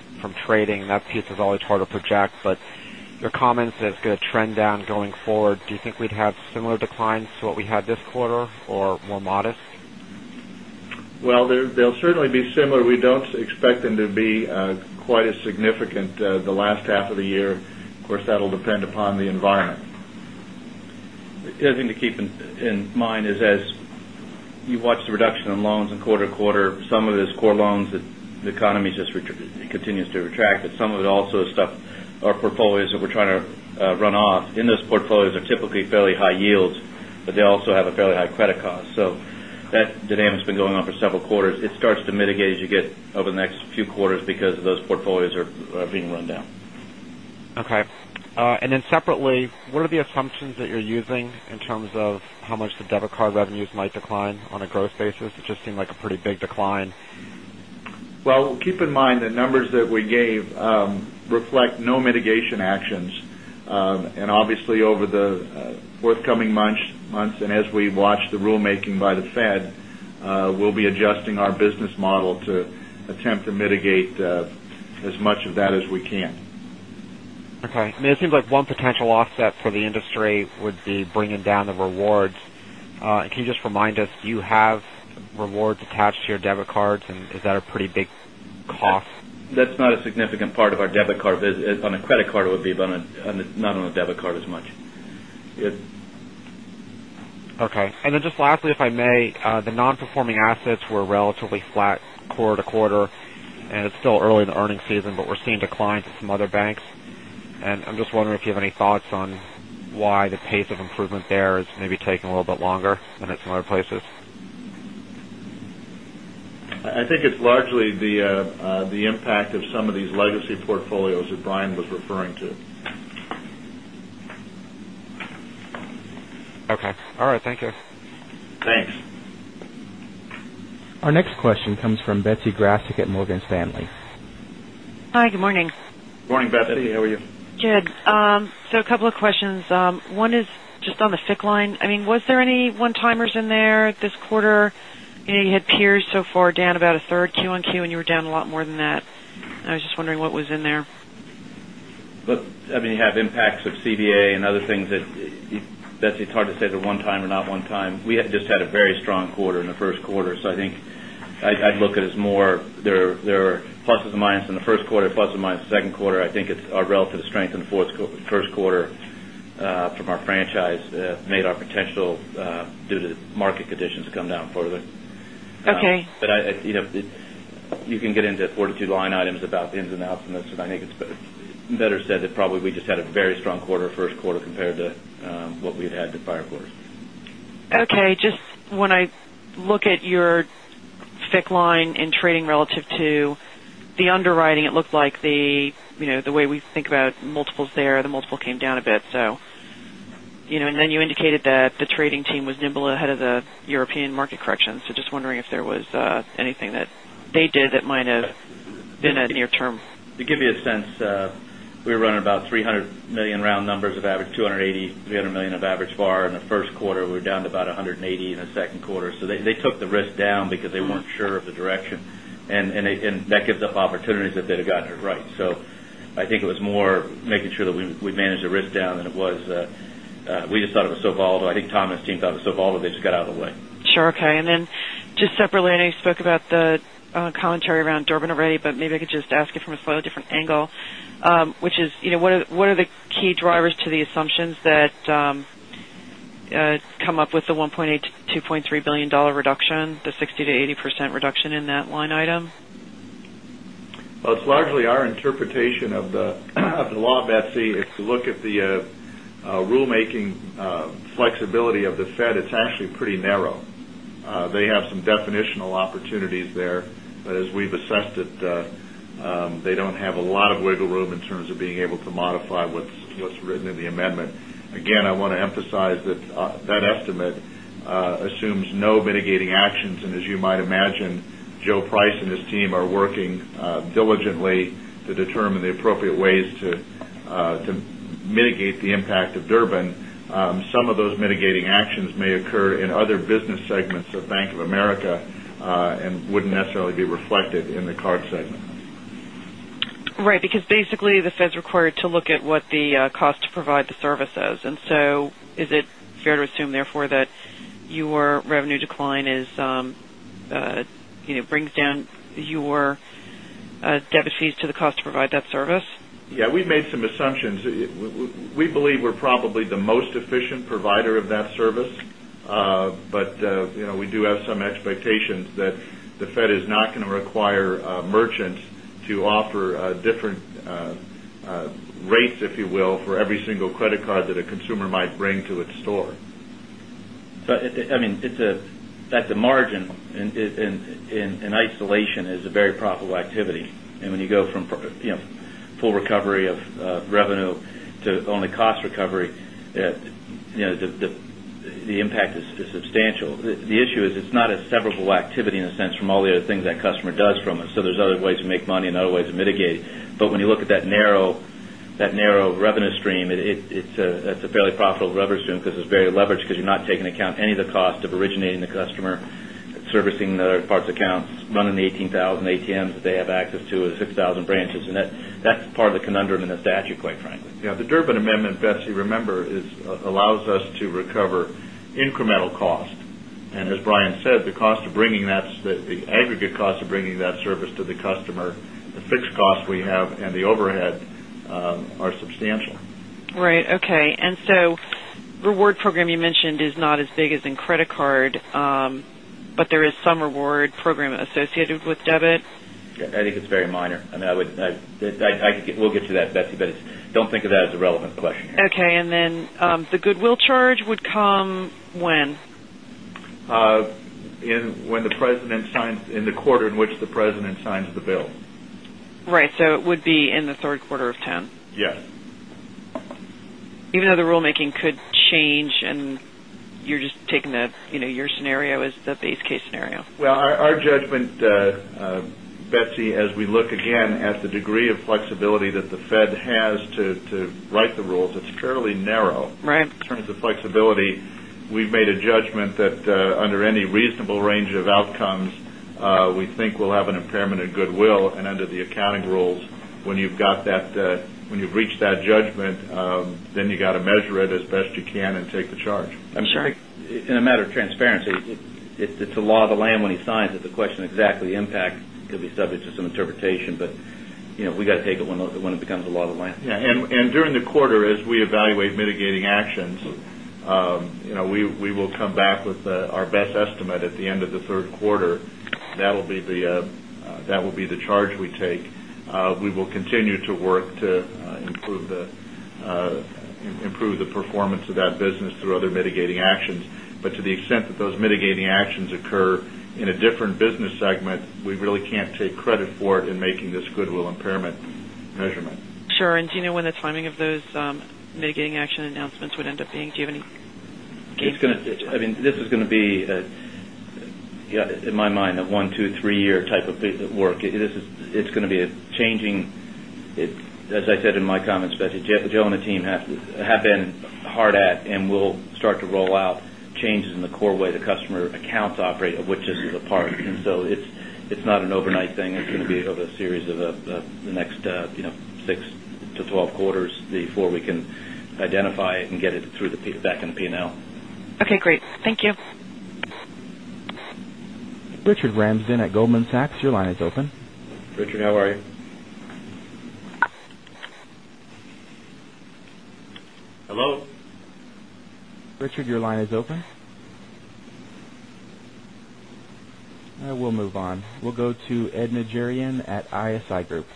trading. That piece is always hard to project. But your comments that it's going to trend down going forward. Do you think we'd have similar declines to what we had this quarter or more modest? Well, they'll certainly be similar. We don't is as you watch the reduction in loans in quarter to quarter, some of these core loans that the economy just continues to retract, but some of it also that we're trying to run off. In those portfolios are typically fairly high yields, but they also have a fairly high credit cost. So that dynamic has been going on for several quarters. It starts to mitigate as you get over the next few quarters because those portfolios are being run down. Okay. And then decline. Well, keep in mind the numbers that we gave reflect no mitigation actions. And obviously over the forthcoming months and as we watch the rulemaking by the Fed, we'll be adjusting our business model to attempt to mitigate as much of that as we can. Okay. And it seems like one potential offset for the industry would be bringing down the rewards. Can you just remind us, do you have rewards attached to your debit cards? And is that a pretty big cost? That's not a significant part of our debit card. On a credit card, it would be, but not on a debit card as much. Okay. And then just lastly if I may, the non performing assets were relatively flat quarter to quarter and it's still early in the earnings season, but we're seeing declines in some other banks. And I'm just wondering if you have any thoughts on why the pace of improvement there is maybe taking a little bit longer than at some other places? I think it's largely the impact of some of these legacy portfolios that Brian was referring to. Okay. All right. Thank you. Thanks. Our next question comes from Betsy Graseck at Morgan Stanley. Hi, good morning. Good morning, Betsy. How are you? Good. So a couple of questions. One is just on the FICC line. I mean, was there any one timers in there this quarter? You had peers so far down about a 3rd Q on Q and you were down a lot more than that. I was just wondering what was in there? I mean, you have impacts of CBA and other things that Betsy, it's hard to say the one time or not one time. We just had a very strong quarter in the Q1. So I think I'd look at it as more there are pluses and minuses in the Q1, plus and minus in the Q2. I think it's you You can get into 42 line items about ins and outs and I think it's better said that probably we just had a very strong quarter Q1 compared to what we had had in prior quarters. Okay. Just when I look at your FICC line in trading relative to the underwriting, it looked like the way we think about multiples there, the multiple came down a bit. So and then you indicated that the trading team was nimble ahead of the European market correction. So just wondering if there was anything that they did that might have been a near term? To give you a sense, we were running about $300,000,000 round numbers of average $280,000,000 $300,000,000 of average bar in the Q1. We were down to about $180,000,000 in the Q2. So they took the risk down because they weren't sure of the direction. And that gives up opportunities if they'd have gotten it right. So I think it was more making sure that we manage the risk down than it was we just thought it was so volatile. I think Tom and his team thought it was so volatile, they just got out of the way. Sure. Okay. And then just separately, I know you spoke about the commentary around Durbin already, but maybe I could just ask it from a slightly different angle, which is what are the key drivers to the assumptions that come up with the $1,800,000,000 to $2,300,000,000 reduction, the 60% to 80% reduction in that line item? Well, it's largely our interpretation of the law of Etsy is to look at the rule making flexibility of the Fed, it's actually pretty narrow. They have some definitional opportunities there. But as we've assessed it, they don't have a lot of wiggle room in terms of being able to modify what's written in the amendment. Again, I want to emphasize that that estimate assumes no mitigating actions. And as you might imagine, Joe Price and his team are working diligently to determine the appropriate ways to mitigate the impact of Durbin. Some of those mitigating actions may occur in other business segments of Bank of America and wouldn't necessarily be reflected in the card segment. Right. Because basically the Fed is required to look at what the cost to provide the services. And so is it fair to assume therefore that revenue decline is brings down your debit fees to the cost to provide that service? Yes. We've made some assumptions. We believe we're probably the most efficient provider of that service. But we do have some expectations that the Fed is not going to require merchants to offer different rates, if you will, for every single credit card that a consumer might bring to its store. So, I mean, it's a that's a margin in isolation is a very profitable activity. And when you go from full recovery of revenue to only cost recovery, the impact is substantial. The issue is it's not a severable activity in a sense from all the things that customer does from us. So there's other ways to make money and other ways to mitigate it. But when you look at that narrow revenue stream, it's a fairly profitable because it's very leveraged because you're not taking account any of the cost of originating the customer, servicing the parts accounts, running the 18,000 ATMs that they have access to the 6,000 branches. And that's part of the conundrum in the statute quite frankly. Yes. The Durbin Amendment Betsy remember is allows us to recover incremental cost. And as Brian said, the cost of bringing that the aggregate cost of bringing that service to the customer, the fixed we have and the overhead are substantial. Right. Okay. And so reward program you mentioned is not as big as in credit card, but there is some reward program associated with debit? I think it's very minor. I mean, I mean, we'll get to that Betsy, but don't think of that as a relevant question. Okay. And then the goodwill charge would come when? When the President signs in the quarter in which the President signs the bill. Right. So it would be in the Q3 of 10? Yes. Even though the rulemaking could change and you're just taking that your scenario is the base case scenario? Well, our judgment Betsy as we look again at the degree of flexibility that the Fed has to write the rules, it's fairly narrow. In terms of flexibility, we've made a judgment that under any reasonable range of outcomes, we think we'll have an impairment in goodwill. And under the accounting rules, when you've got that when you've reached that judgment, then you got to measure it as best you can and take the charge. I'm sorry? In a matter of transparency, it's a law of the land when he signs it. The question exactly impact could be subject to some interpretation, but we got to take it when it becomes a law of the land. Yes. And during the quarter, as we evaluate mitigating actions, we will come back with our best estimate at the end of Q3. That will be the charge we take. We will continue to work to improve the performance of that business through other mitigating actions. But to the extent that those mitigating actions occur in a different business segment, we really can't take credit for it in making this goodwill impairment measurement. Sure. And do you know when the timing of those mitigating action announcements would end up being? Have any? It's going to I mean, this is going to be, in my mind, a 1, 2, 3 year type of work. It's going to be a changing, as I said in my comments, Betsy, Joe and the team have been hard at and will start to roll out changes in the core way the customer accounts operate of which this is a part. And so it's not an overnight thing. It's going to be over a series of the next 6 to 12 quarters before we can identify and get it through the back end P and L. Okay, great. Thank you. Richard Richard, your line is open. We'll move on. We'll go to Ed Najarian at ISI Group.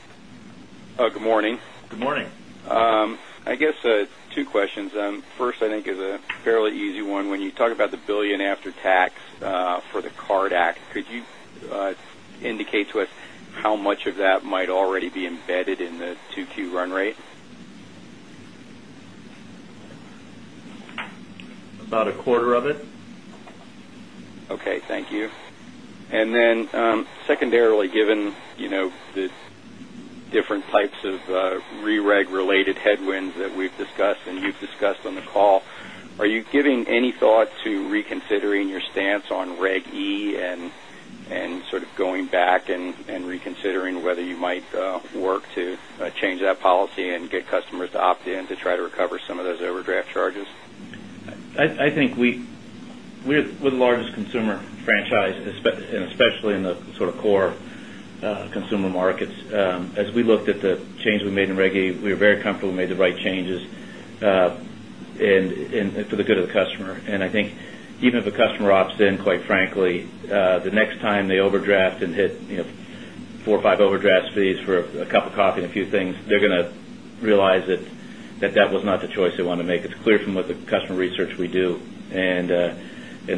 Good morning. Good morning. I guess two questions. First I think is a fairly easy one. When you talk about the $1,000,000,000 after tax for the card act, could you indicate to us how much of that might already be embedded in the 2Q run rate? About a quarter of it. Okay. Thank you. And then secondarily, given the different types of rereg related headwinds that we've discussed and you've discussed on the call, are you giving any thought to reconsidering your stance on Reg E and sort of going back and reconsidering whether you might work to change that policy and get customers to opt in to try to recover some of those overdraft charges? I think we're the largest consumer franchise, and especially in the sort of core consumer markets. As we looked at the change we made in Reg A, we were very comfortable we made the right changes for the good of the customer. And I think even if a customer opts in, quite frankly, the next time they overdraft and hit 4 or 5 draft fees for a cup of coffee and a few things, they're going to realize that that was not the choice they want to make. It's clear from what the customer research we do. And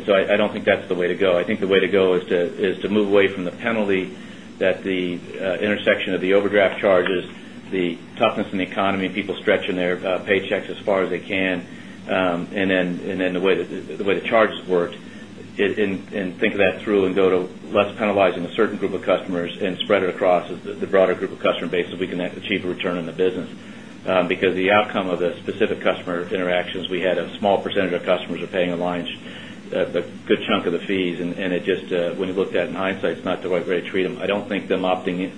so don't think that's the way to go. I think the way to go is to move away from the penalty that the intersection of the overdraft charges, the toughness in the economy, people stretching their paychecks as far as they can. And then the way the charges worked and think of that through and go to less penalizing a certain group of customers and spread it across the broader group of customer base so we can achieve a return in the business. Because the outcome of the specific customer interactions we had a small percentage of customers are paying a line, a good chunk of the fees. And it just when you looked at in hindsight, it's not the right way to treat them. I don't think them opting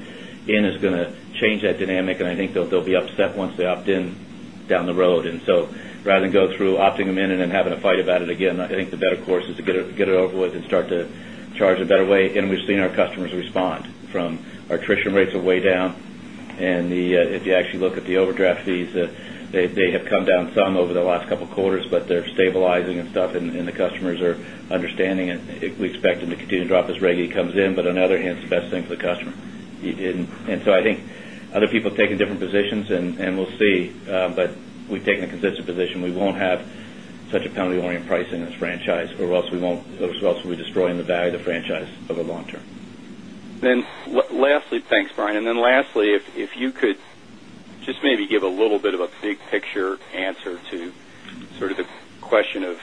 in is going to change that dynamic. And I think they'll be upset once they opt in down the road. And so rather than go through opting them in and then have a fight about it again, I think the better course is to get it over with and start to charge a better way. And we've seen our customers respond from our attrition rates are way down. And if you actually look at the overdraft fees, they have come down some over the last couple of quarters, but they're stabilizing and stuff and customers are understanding it. We expect them to continue to drop as reggae comes in, but on the other hand, it's the best thing for the customer. And so I think other people taking different positions and we'll see, but we've taken a consistent position. We won't have such a penalty orient pricing in this franchise or else we won't those will be destroying the value of the long term. And then lastly, thanks Brian. And then lastly, if you could just maybe give a little bit of a big picture answer to sort of the question of,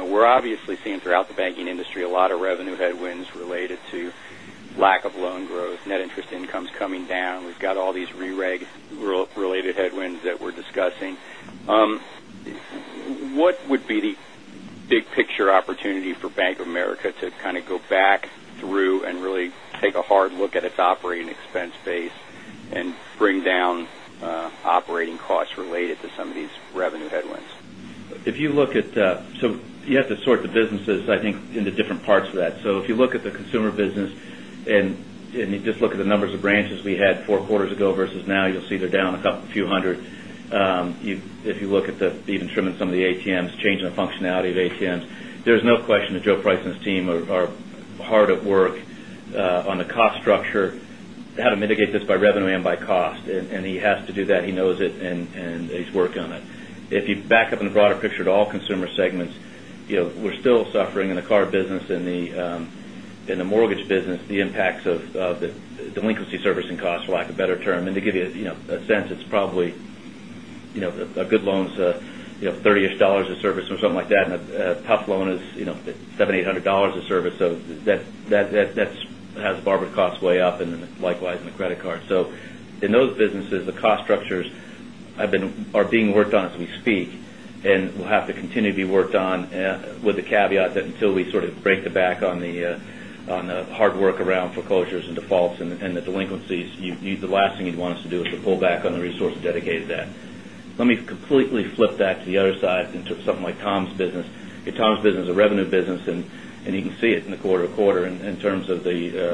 we're obviously seeing throughout the banking industry a lot of revenue headwinds related to lack of loan growth, net interest income is coming down. We've got all these re reg related headwinds that we're discussing. What would be the big picture opportunity for Bank of America to kind of go back through and really take a hard look at its operating expense base and bring down operating costs related to some of these revenue headwinds? If you look at so you have to sort the businesses, I think, into different parts of that. So if you look at the consumer business and you just look at the numbers of branches we had 4 quarters ago versus now, you'll see they're down a couple few 100. If you look at the even trim some of the ATMs, change in the functionality of ATMs, there's no question that Joe Price and his team are hard at work on cost structure, how to mitigate this by revenue and by cost. And he has to do that. He knows it and he's working on it. If you back up in the broader picture to all consumer segments, we're still suffering in the picture to all consumer segments, we're still suffering in the card business and the mortgage business, the impacts of the delinquency servicing costs, for lack of better term. And to give you a sense, it's probably a good loan is $30 ish a service or something like that and a tough loan is $700,000,000 to $800 a service. So that's has barber costs way up and then likewise in the credit card. So in those businesses, the cost structures have been are being worked on as we speak and will have to continue to be worked on with the caveat that until we sort of break the back on the hard work around foreclosures and defaults and the delinquencies, the last thing you'd want us to do is to pull back on the resource dedicated to that. Let me completely flip that to the other side and took something like Tom's business. Tom's business is a revenue business and you can see it in the quarter to quarter in terms of the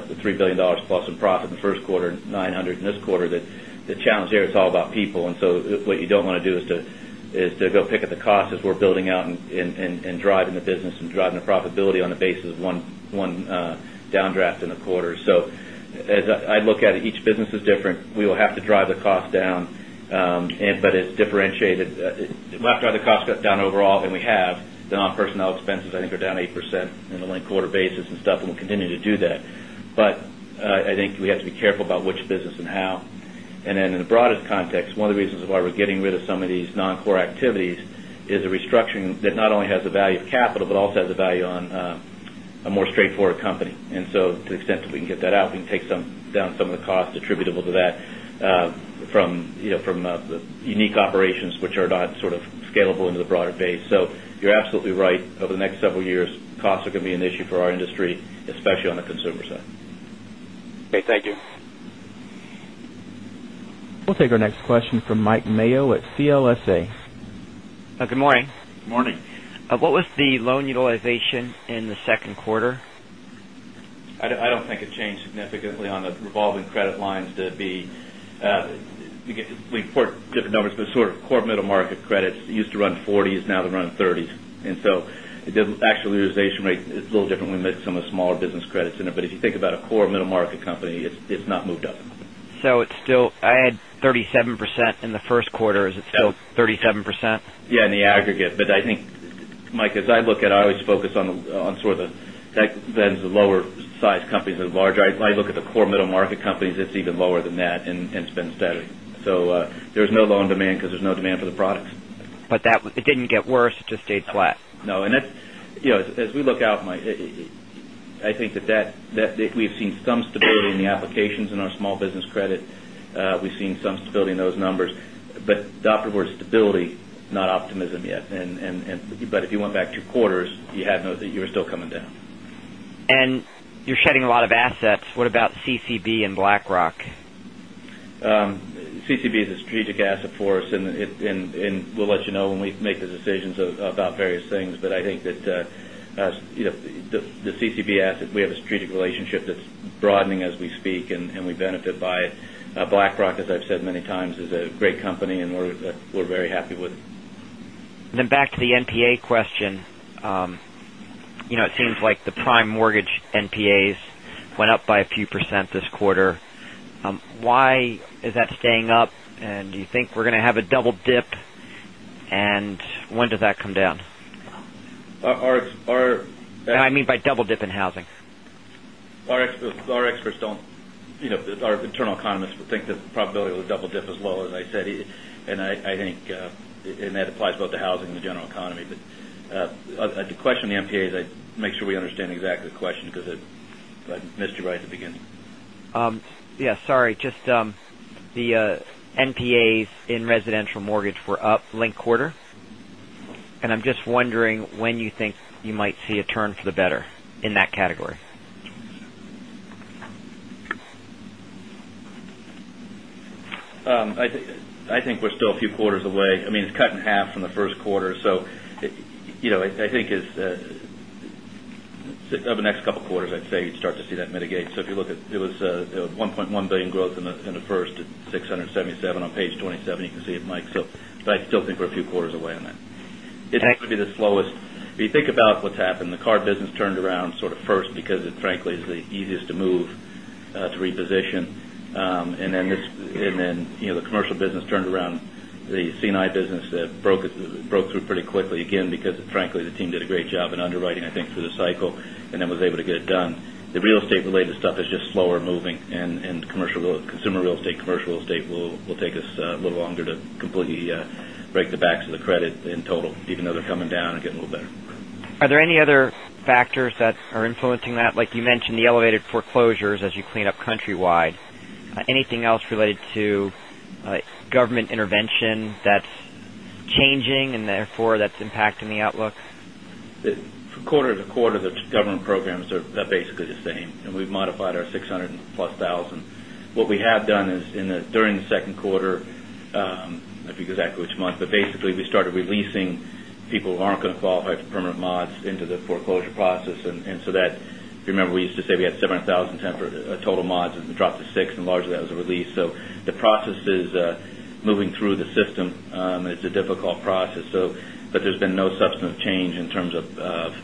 $3,000,000,000 plus in profit in the first quarter $900,000,000 in this quarter. The challenge here is all about people. And so what you don't want to do is to go pick up the cost as we're building out and driving the business and driving the profitability on the basis of 1 downdraft in the quarter. So as I look at it, each business is different. We will have to drive the cost down. But it's differentiated. We'll have to drive the cost down overall than we have. The non personnel expenses, I think, are down 8% in a linked quarter basis and stuff, and we'll continue to do that. But I think we have to be careful about which business and how. And then in the broadest context, one of the reasons why we're getting rid of some of these non core activities is a restructuring that not only has the value of capital, but also has the value on a more straightforward company. And so to the extent that we can get that out, we can take some down some of the costs attributable to that from unique operations, which are not sort of scalable into the broader base. So you're absolutely right. Over the next several years, costs are going to be an issue for our industry, especially on the consumer side. Okay. Thank you. We'll take our next question from Mike Mayo at CLSA. Good What was the loan utilization in the second quarter? I don't think it changed significantly on the revolving credit lines to be you get to report different numbers, but sort of core middle market credits used to run 40s, now they run 30s. And so the actual utilization rate is a little different when we made some of the smaller business credits. But if you think about a core middle market company, it's not moved up. So it's still 37% in the Q1, is it still 37%? Yes, in the aggregate. But I think, Mike, as I look at focus on sort of the lower size companies that are larger. I look at the core middle market companies, it's even lower than that and it's been steady. So there's no loan demand because there's no demand for the products. But that it didn't get worse, it just stayed flat? No. As we look out, I think that we've seen some stability in the applications in our small business credit. We've seen some stability in those numbers. But Doctor. Ward, stability, not optimism yet. But if you went back to quarters, you had to know that you're still coming down. And you're shedding a lot of assets. What about CCB and BlackRock? CCB is a strategic asset for us and we'll let you know when we make the decisions about various things. But I think that the CCB asset, we have a strategic relationship that's broadening as we speak and we benefit by BlackRock, as I've said many times, is a great company and we're very happy with it. And then back to the NPA question, it seems like the prime mortgage NPAs went up by a few percent this quarter. Why is that staying up? And do you think we're going to have a double dip? And when does come down? I mean by double dip in housing. Our experts don't our internal economists would think that probability of a double dip as well as I said. And I think and that applies both to housing and the general economy. But to question the NPAs, I'd make sure we understand exactly the question because I missed you right at the beginning. Yes, sorry. Just the NPAs in residential mortgage were up linked quarter. And I'm just wondering when you think you might see a turn for the better in category? I think we're still a few quarters away. I mean it's in half from the Q1. So I think over the next couple of quarters I'd say you'd start to see that mitigate. So if you look at it was 1,100,000,000 growth in the first at 677 on Page 27, you can see it Mike. So but I still think we're a few quarters away on that. It's going to be the slowest. If you think about what's happened, the car business turned around sort of first because it frankly is the easiest to move to reposition. And then the commercial business turned around. The C and I business broke through pretty quickly again because frankly the team did a great job in underwriting I think through the cycle and then was able to get it done. The real estate related stuff is just slower moving and commercial consumer real estate, commercial estate will take us a little longer to complete break the backs of the credit in total, even though they're coming down and getting a little better. Are there any other factors that are influencing that? Like you mentioned the elevated foreclosures as you clean up countrywide. Anything else related to government intervention that's changing and therefore that's impacting the outlook? Quarter to quarter the government programs are basically the same, and we've modified our 600 plus 1,000. What we have done is during the Q2, I think exactly which month, but basically we started releasing people who aren't going to qualify for permanent mods into the foreclosure process. And so that if you remember, we used to say we had 700,000 temporary total mods and dropped to 6 and largely that was a release. So the process is moving through the system. It's a difficult process. So but there's been no substantive change in terms of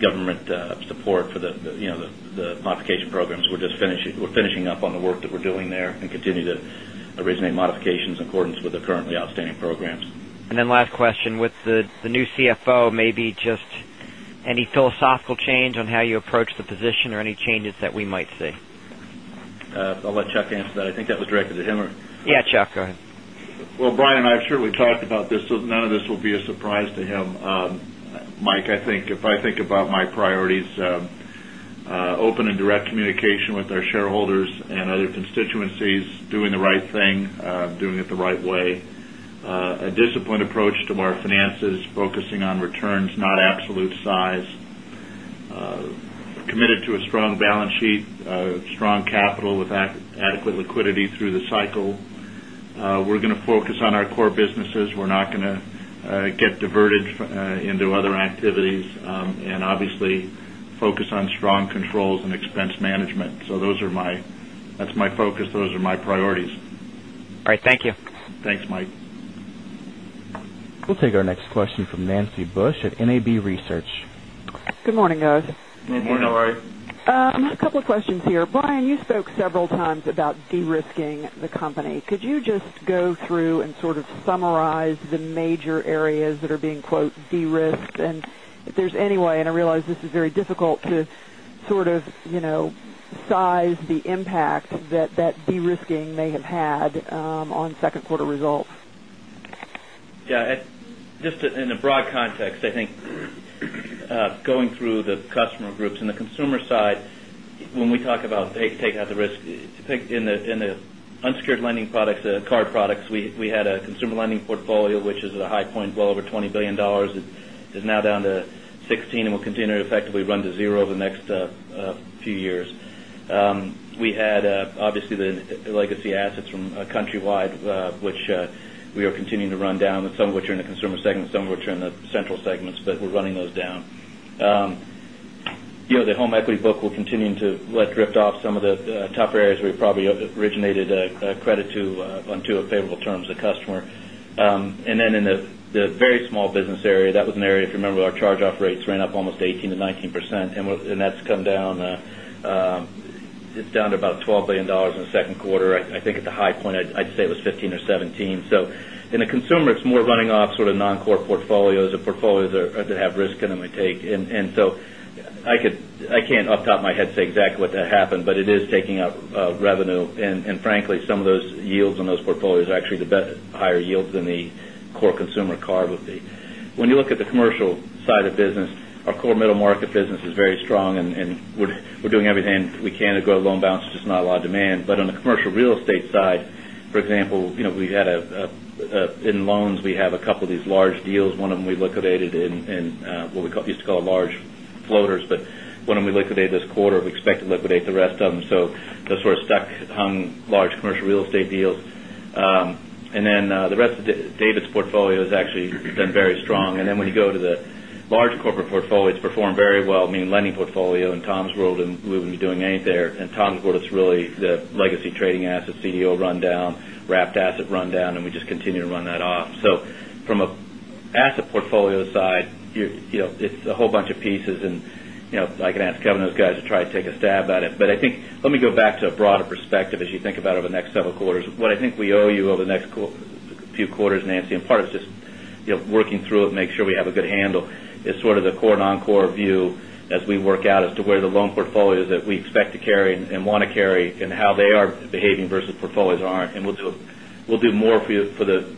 government support for the modification programs. We're finishing up on the work that we're doing there and continue to originate modifications in accordance with the currently outstanding programs. And then last question with the new CFO maybe just any philosophical change on how you approach the position or any changes that we might see? I'll let Chuck answer that. I think that was directed to him or Yes, Chuck, go ahead. Well, Brian, I'm sure we talked about this, so none of this will be a surprise to him. Mike, I think if I think about my priorities, open and direct communication with our shareholders and other constituencies, doing the right thing, doing it the right way. A disciplined approach to our finances focusing on returns not absolute size. Committed to a strong balance sheet, strong capital with adequate liquidity through the cycle. We're going to focus on our core businesses. We're not going to get diverted into other activities and obviously focus on strong controls and expense management. So that's my focus. Those are my priorities. All right. Thank you. Thanks, Mike. We'll take our next question from Nancy Bush at NAB Research. Good morning, guys. Good morning, Laurie. A couple of questions here. Brian, you spoke derisked? And if there's any way, and I realize this is very difficult to sort of size the impact that derisking may have had on 2nd quarter results? Yes. Just in a broad context, I think going through the customer groups and the consumer side, when we talk about taking out the risk, in the unsecured lending products, card products, we had a consumer lending portfolio, which is at a high point well over $20,000,000,000 It is now down to $16,000,000,000 and will continue to effectively run to 0 over the next few years. We had obviously the legacy assets from Countrywide, which we are continuing to run down, some of which are in the consumer segment, some of which are in the central segments, but we're running those down. The home equity book will continue to let drift off some of the tougher areas we probably originated a credit to on 2 of favorable terms of customer. And then in the very small business area, that was an area, if you remember, our charge off rates ran up almost 18% to 19%, and that's come down it's down to $12,000,000,000 in the Q2. I think at the high point, I'd say it was $15,000,000 or $17,000,000 So in the consumer, it's more running off sort of non core portfolios or portfolios that have risk in we take. And so I could I can't off the top of my head say exactly what that happened, but it is taking up revenue. And frankly, some of those yields in those portfolios actually the better higher yields than the core consumer card would be. When you look at the commercial side of business, our core middle market business is very strong and we're doing everything we can to grow a loan balance, just not a lot of demand. But on the commercial real estate side, for example, we had in loans, we have a couple of these large deals. 1 of them we liquidated in what we used to call large floaters. But when we liquidated this quarter, we expect to liquidate the rest of them. So that's sort of stuck hung large commercial real estate deals. And then, the rest of David's portfolio has actually been very strong. And then, when you go to the large corporate portfolio, it's performed very well. I mean, lending portfolio in Tom's world and we wouldn't be doing anything there. And Tom's world is really the legacy asset CDO rundown, wrapped asset rundown and we just continue to run that off. So from an asset portfolio side, it's a whole bunch of pieces and I can ask Kevin and those guys to try to take a stab at it. But I think let me go back to a broader perspective as you think about over the next several quarters. What I think we owe you over the next few quarters, Nancy, and part of just working through it, make sure we have a good handle is sort of the core non core view as we out as to where the loan portfolios that we expect to carry and want to carry and how they are behaving versus portfolios aren't. And we'll do more for you for the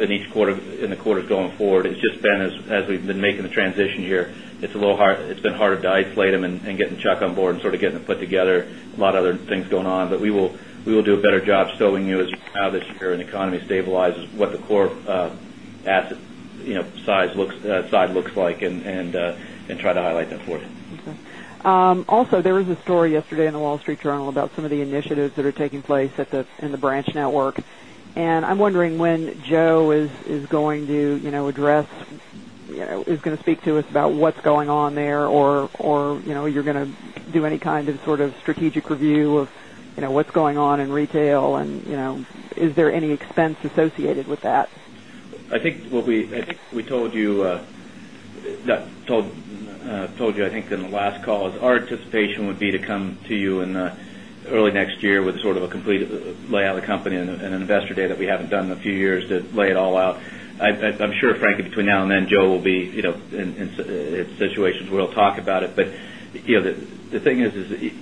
in each quarter in the quarters going forward. It's just been as we've been making the transition here, it's a little hard it's been harder to isolate them and getting Chuck on board and sort of get them put together a lot of other things going on. But we will do a better job stowing you as how this year and economy stabilizes what the core asset size looks like and try to highlight that for you. Okay. Also there was a story yesterday in The Wall Street Journal about some of the initiatives that are taking place in the branch network. And I'm wondering when Joe is going to address is going to to speak to us about what's going on there or you're going to do any kind of sort of strategic review of what's going on in retail? And is there any expense associated with that? I think what we I think we told you, I think, in the last call is our anticipation would to come to you in early next year with sort of a complete layout of the company and an Investor Day that we haven't done in a few years to lay it all out. I'm sure frankly between now and then, Joe will be in situations where we'll talk about it. But the thing is, is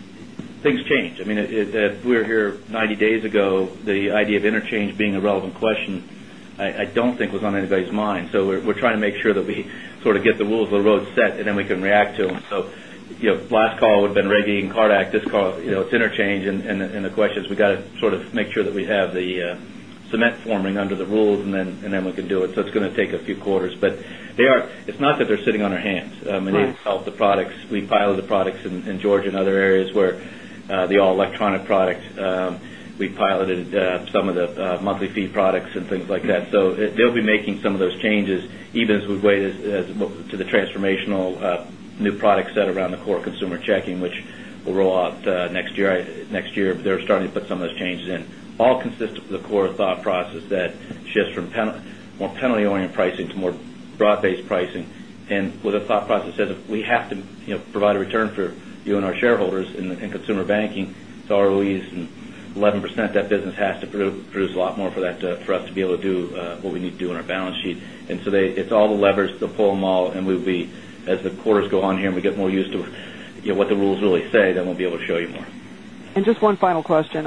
things change. I mean, if we were here 90 days ago, the idea of interchange being a relevant question, I don't think was on anybody's mind. So we're trying to make sure that we sort of get the rules of the road set and then we can react to them. So last call would have been reggae and card act. This call, it's interchange. And the question is we got to sort of make sure that we have the cement forming under the rules and then we can do it. So it's going to take a few quarters. But they are it's not that they're sitting on our hands. They sell the products. We pilot the products in Georgia and other areas where the all electronic products, we piloted some of the monthly fee products and things like that. So they'll be making some of those changes even as we've waited to the transformational new product set around the transformational new product set around the core consumer checking, which will roll out next year if they're starting to put some of those changes in, all consistent with the core thought process that shifts from more penalty oriented pricing to more broad based pricing. And with the thought process that we have to provide a return for you and our shareholders in consumer banking, the ROEs 11%, that business has to produce a lot more for that for us to be able to do what we need to do on our balance sheet. And so they it's all the levers to pull them all and we'll be as the quarters go on here and we get more used to what the rules really say, then we'll be able to show you more. And just one good get to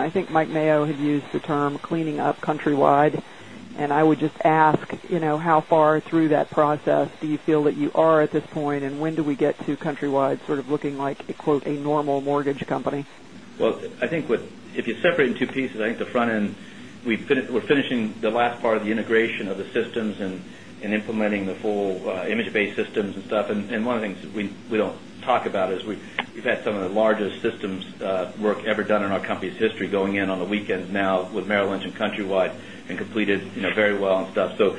Countrywide sort of looking like a normal mortgage company? Well, I think if you separate in 2 pieces, I think the front end, we're finishing the last part of the integration of the systems and implementing the full image based systems and stuff. And one of the things we don't talk about is we've had some of the largest systems work ever done in our company's history going in on the weekends now with Merrill Lynch Countrywide and completed very well and stuff. So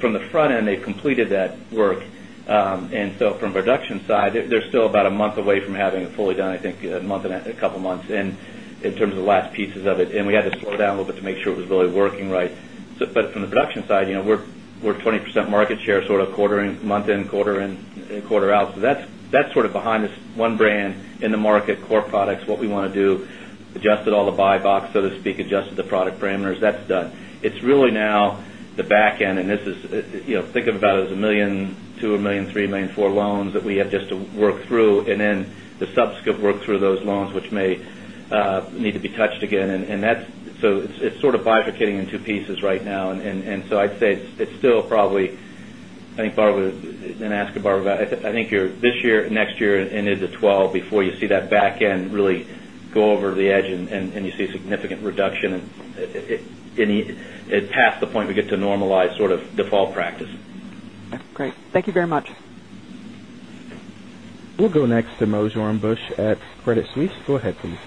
from the front end, they've completed that work. And so from production side, they're still about a month away from having it fully done, I think, a month and a couple of months in terms of the last pieces of it. And we had to slow down a little bit to make sure it was really working right. From the production side, we're 20% market share sort of quarter in month in quarter in quarter out. So that's sort of behind this one brand in the market core products. What we want to do, adjusted all the buy box, so to speak, adjusted the product parameters, that's done. It's really now the back end. And this is think of it as $1,200,000 or $1,300,000,000 loans that we have just to work through and then the subsequent work through those loans, which may need to be touched again. And that's so it's sort of bifurcating in 2 pieces right now. And so I'd say it's still probably I think Barbara didn't ask a Barbara about it. I think this year, next year ended the 12% before you see that back end really go over the edge and you see significant reduction in past the point we get to normalize sort of default practice. We'll go next to Moshe Rambusch at Credit Suisse. Go ahead please.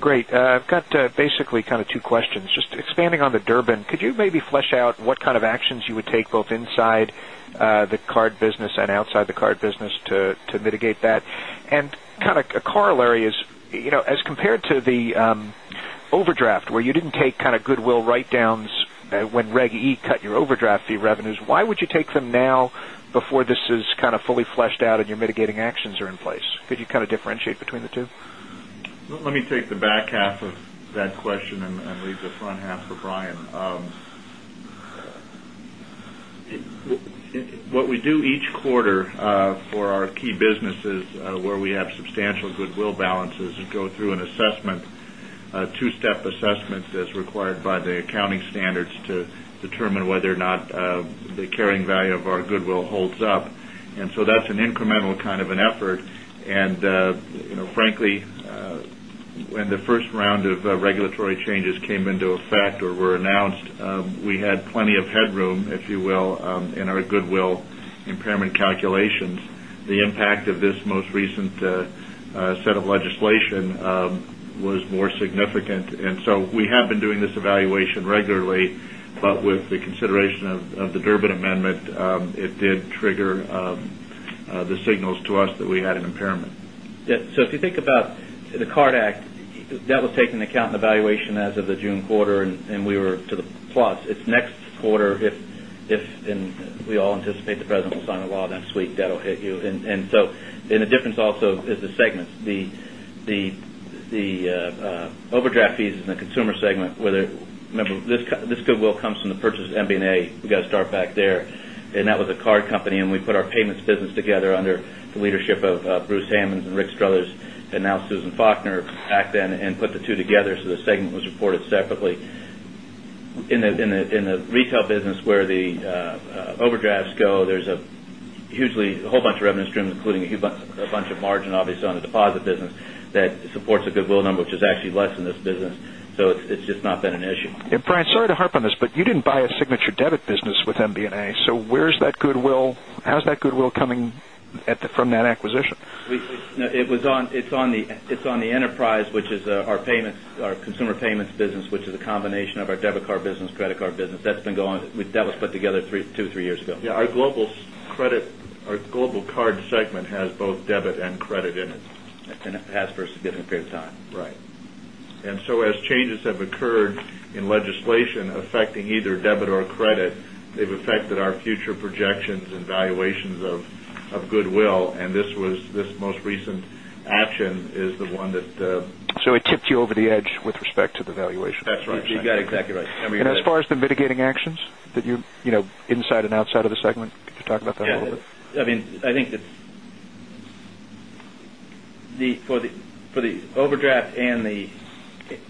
Great. I've got basically kind of 2 questions. Just expanding on the Durbin, could you maybe flesh out what kind of actions you would take both inside the card business and outside the card business to mitigate that? And a corollary is, as compared to the overdraft where you didn't take goodwill write downs when Reg E cut your overdraft revenues. Why would you take them now before this is kind of fully fleshed out and your mitigating actions are in place? Could you kind of differentiate between the 2? Let me take the back half of that question and leave the front half for Brian. What we do each quarter for our key businesses where we have substantial goodwill balances is go through an assessment, 2 step assessments as required by the accounting standards to determine whether or not the carrying value of our goodwill holds And so that's an incremental kind of an effort. And frankly, when the first round of regulatory changes came into effect or were announced, we had plenty of headroom, if you will, in our goodwill impairment calculations. The trigger the signals to us that we had an impairment. Yes. So if you think about the Card Act, that was taken into account in the valuation as of the June quarter and we were to the plus. It's next quarter if and we all anticipate the President will sign a law next week that will hit you. And so, and the difference also is the segments. The overdraft fees in the consumer segment whether remember this goodwill comes the purchase of MB and A, we got to start back there. And that was a card company and we put our payments business together under the leadership of Bruce Hammonds and Rick Struthers and now Susan Faulkner back then and put the 2 together, so the segment was reported separately. In the retail business where the overdrafts go, there's a hugely whole bunch of revenue streams, including a bunch of margin, obviously, on the deposit business that supports a goodwill number, which is actually less than this business. So it's just not been an issue. And Brian, sorry to harp on this, but you didn't buy a signature debit business with MB and A. So, where is that goodwill? How is that goodwill coming from that acquisition? It's on the enterprise, which is our payments, our consumer payments business, which is a combination of our debit card business, credit card business. That's been going that was put together 2 or 3 years ago. Yes. Our global credit our global card segment has both debit and credit in it. And it has for a significant period of time. Right. And so as changes have occurred in recent action is the one that So it tipped you over the edge with respect to the valuation. That's right. You got it exactly right. And as far as the mitigating actions that you inside and outside the segment, could you talk about that a little bit? Yes. I mean, I think that for the overdraft and the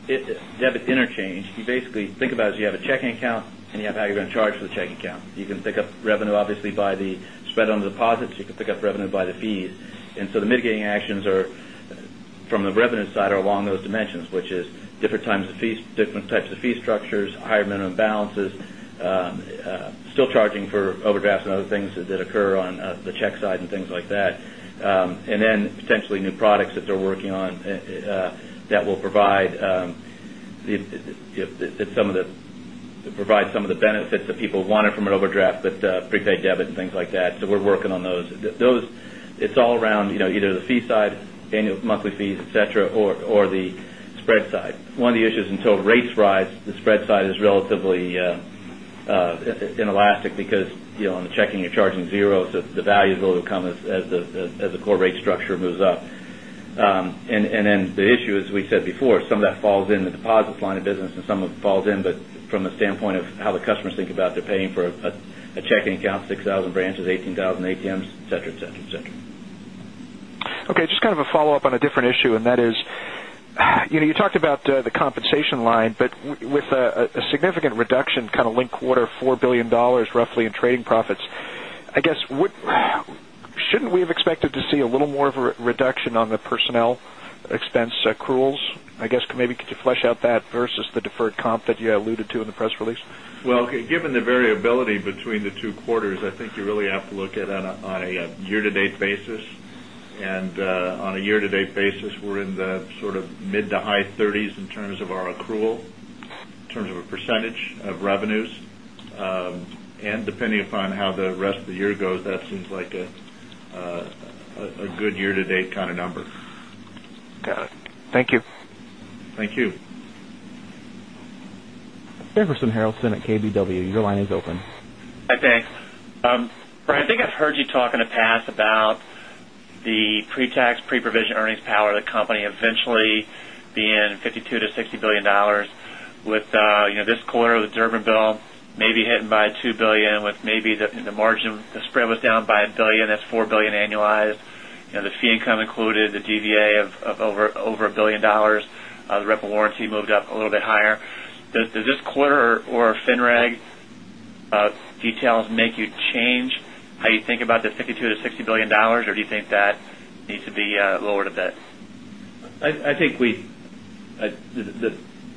debit interchange, you basically think about it as you have a checking account and you have how you're going to charge for the checking account. You can pick up revenue obviously by the spread on deposits. You can pick up revenue by the fees. And so the mitigating actions are from the revenue side are along those dimensions, which is different times of fees, different types of fee structures, higher minimum balances, still charging for overdrafts and other things that occur on the check side and things like that. And then people wanted from an overdraft, but prepaid debit and things like that. So of the benefits that people wanted from an overdraft, but prepaid debit and things like that. So we're working on those. Those it's all around either the fee side, annual monthly fees, etcetera, or the spread side. One of the issues until rates rise, the spread side is relatively in elastic because on the checking you're charging 0. So the value will come as the core rate structure moves up. And then the issue as we said before, some of that falls in the deposits line of business and some of it falls in, but from a standpoint of how the customers think about they're paying for a checking account, 6,000 branches, 18,000 ATMs, etcetera, etcetera, etcetera. Okay. Just kind of a follow-up on a different issue and that is you talked about the compensation line, but with a significant reduction kind of linked quarter $4,000,000,000 roughly in trading profits, I guess, shouldn't we have expected to see a little more of a reduction on the personnel expense accruals? I guess, maybe could you flesh out that versus the deferred comp that you alluded to in the press release? Well, given the variability between the two quarters, I think you really have to look at it on a year to date a year to date basis. And on a year to date basis, we're in the sort of mid to high 30s in terms of our accrual, in terms of a percentage of revenues. And depending upon how the rest of the year goes, that seems like a good year to date kind of number. Got it. Thank you. Thank you. Jefferson Harrelson at KBW. Your line is open. Thanks. I think I've heard you talk in the past about the pre tax pre provision earnings power of the company eventually being $52,000,000,000 to 60,000,000,000 dollars with this quarter with Durbinville maybe hitting by $2,000,000,000 with maybe the margin the spread was down by $1,000,000,000 that's $4,000,000,000 annualized. The fee income included the DVA of over $1,000,000,000 the rental warranty moved up a little bit higher. Does this quarter or FinReg details make you change how you think about the $52,000,000,000 to $60,000,000,000 or do you think that needs to be lowered a bit? I think we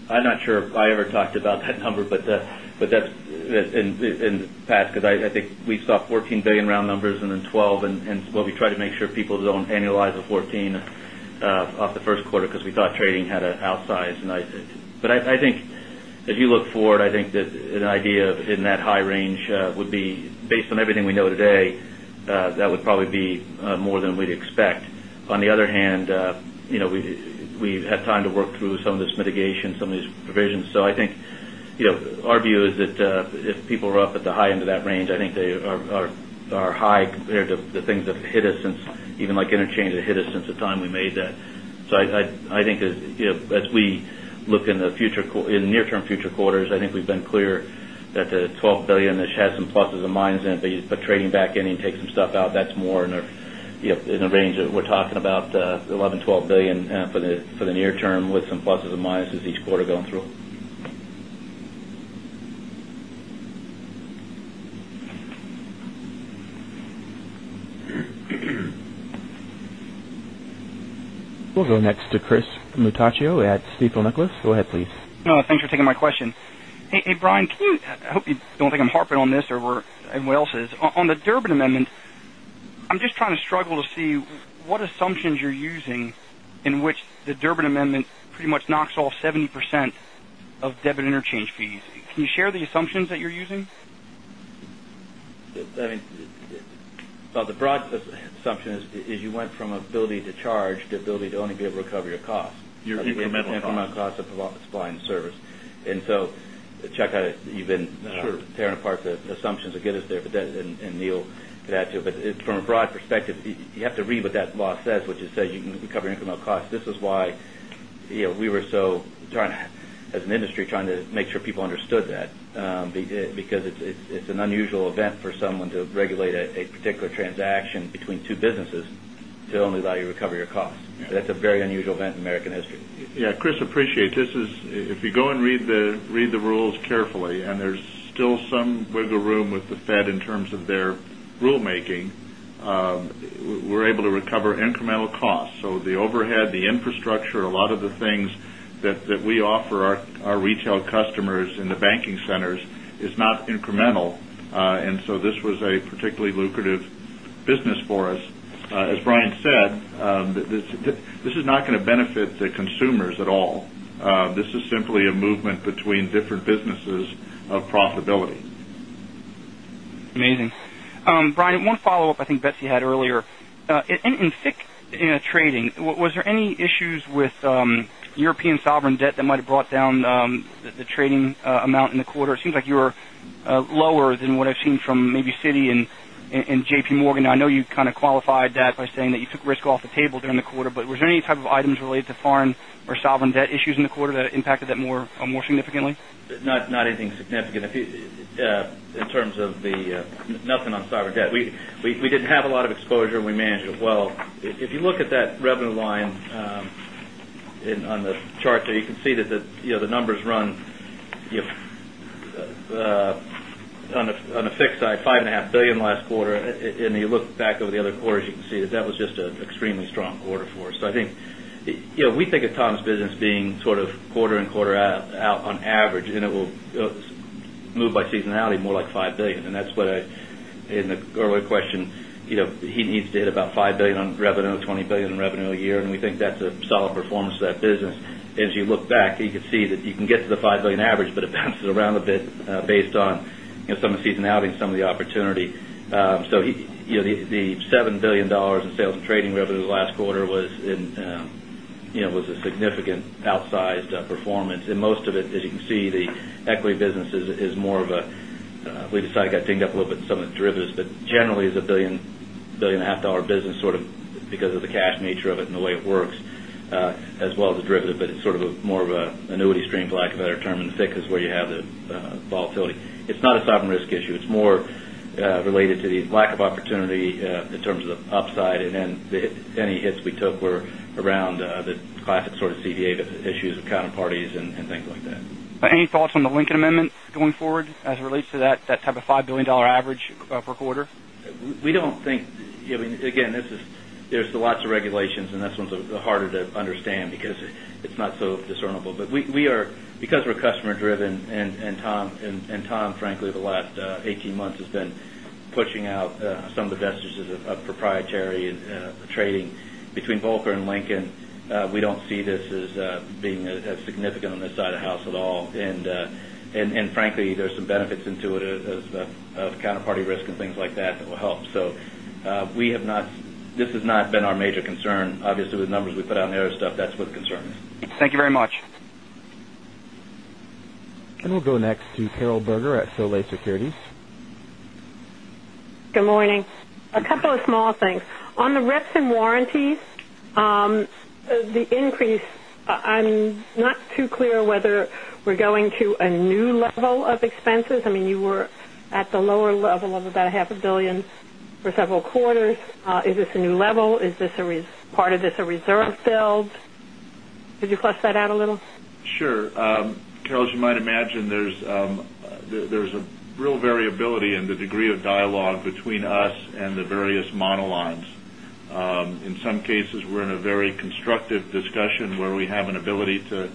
I'm not sure if I ever talked about that number, but that's in the past because I think we saw $14,000,000,000 round numbers and then $12,000,000 And so we try to make sure people don't annualize the $14,000,000 of the Q1 because we thought trading had to outsize. But I think as you look forward, I think that an idea of hitting that high range would be based on everything we know today, that would probably be more than we'd expect. On the other hand, we've had time to work through some of this mitigation, some of these provisions. So I think our view is that if people are up at the high end of that range, I think they are high compared to the things that hit us since even like interchange that hit us since the time we made that. So I think as we look in the future in near term future quarters, I think we've been clear that the $12,000,000,000 which has some pluses and minuses, but trading back in and take some stuff out, that's more in a range of we're talking about $11,000,000,000 $12,000,000,000 for the near term with some pluses and minuses each quarter going through. We'll go next to Chris Mutacchio at Stifel Nicolaus. Go ahead please. Thanks for taking my question. Hey Brian, can you I hope you don't think I'm harping on this or else is. On the Durbin Amendment, I'm just trying to struggle to see what assumptions you're using in which the Durbin Amendment pretty much knocks off 70% of debit interchange fees. Can you share the assumptions that you're using? I mean, so the broad assumption is you went from ability to charge to ability to only get recovery of costs. Your incremental costs of supply and service. And so Chuck, you've been tearing apart the assumptions that get us there, but that and Neil could add to it. But from a broad perspective, you have to read what that law says, which is that you can recover incremental costs. This is why we were so trying to as an industry trying to make sure people understood that, because it's an unusual event for someone to regulate a particular transaction between 2 businesses to only allow you to recover your costs. That's a very unusual event in American history. Yes. Chris, If you go and read the rules carefully and there's still some wiggle room with the Fed in terms of their rule making, we're able we're able to recover incremental costs. So the overhead, the infrastructure, a lot of the things that we offer our retail customers in the banking centers is not incremental. And so this was a particularly lucrative business for us. As Brian said, this is not going to benefit the consumers at all. This is simply a movement between different businesses of profitability. Amazing. Brian, one follow-up I think Betsy had earlier. In FICC trading, was there any issues with European sovereign debt that might have brought down the trading amount in the quarter. It seems like you're lower than what I've seen from maybe Citi and JPMorgan. I know you kind of qualified that by saying that you took risk off table during the quarter, but was there any type of items related to foreign or sovereign debt issues in the quarter that impacted that more significantly? Not anything significant in terms of the nothing on cyber debt. We didn't have a lot of exposure. We managed it well. If you look at that revenue line on the chart there, you can see that the numbers run on a fixed side 5 last quarter. And if you look back over the other quarters, you can see that that was just an extremely strong quarter for us. So I think we think of Tom's business being sort of quarter in quarter out on average and it will move by seasonality more like $5,000,000,000 And that's what I in the earlier question, he needs to add about $1,000,000,000 on revenue, dollars 20,000,000,000 in revenue a year, and we think that's a solid performance of that business. As you look back, you could see that you can get to the $5,000,000,000 average, but it bounces around a bit based on some of the seasonality and some of the opportunity. So the $7,000,000,000 in sales and trading revenue last quarter was a significant outsized performance. And most of it, as you can see, the equity business is more of a we decided to get dinged up a little bit some of the derivatives, but generally it's $1,500,000,000 business sort of because of the cash nature of it and the way it works as well as the derivative, but it's sort of more of an annuity stream for lack of better term, and the FICC is where you have the volatility. It's not a sovereign risk issue. It's more related to the lack of opportunity in terms of upside. And any hits we took were around the classic sort of CDA issues with counterparties and things like that. Any thoughts on the Lincoln amendment going forward as it relates to that type of $5,000,000,000 average per quarter? We don't think again, this is there's lots regulations and that's one's harder to understand because it's not so discernible. But we are because we're customer driven and Tom frankly the last 18 the house at all. And see this as being as significant on this side of house at all. And frankly, there's some benefits into it as counterparty risk and things like that that will help. So we have not this has not been our major concern. Obviously, with numbers we put out in the Aeros stuff, that's what the concern is. Thank you very much. And we'll go next to Carol Berger at Solace Securities. Good morning. A couple of small things. On the reps and warranties, the increase, I'm not too clear whether we're going to a new level of expenses. I mean, you were at the lower level of about $500,000,000 for several quarters. Is this a new level? Is this part of this a reserve filled? Could you flush that out a little? Sure. Carol, as you might imagine, there's variability in the degree of dialogue between us and the various monologues. In some cases, we're in a very constructive discussion where we have an ability to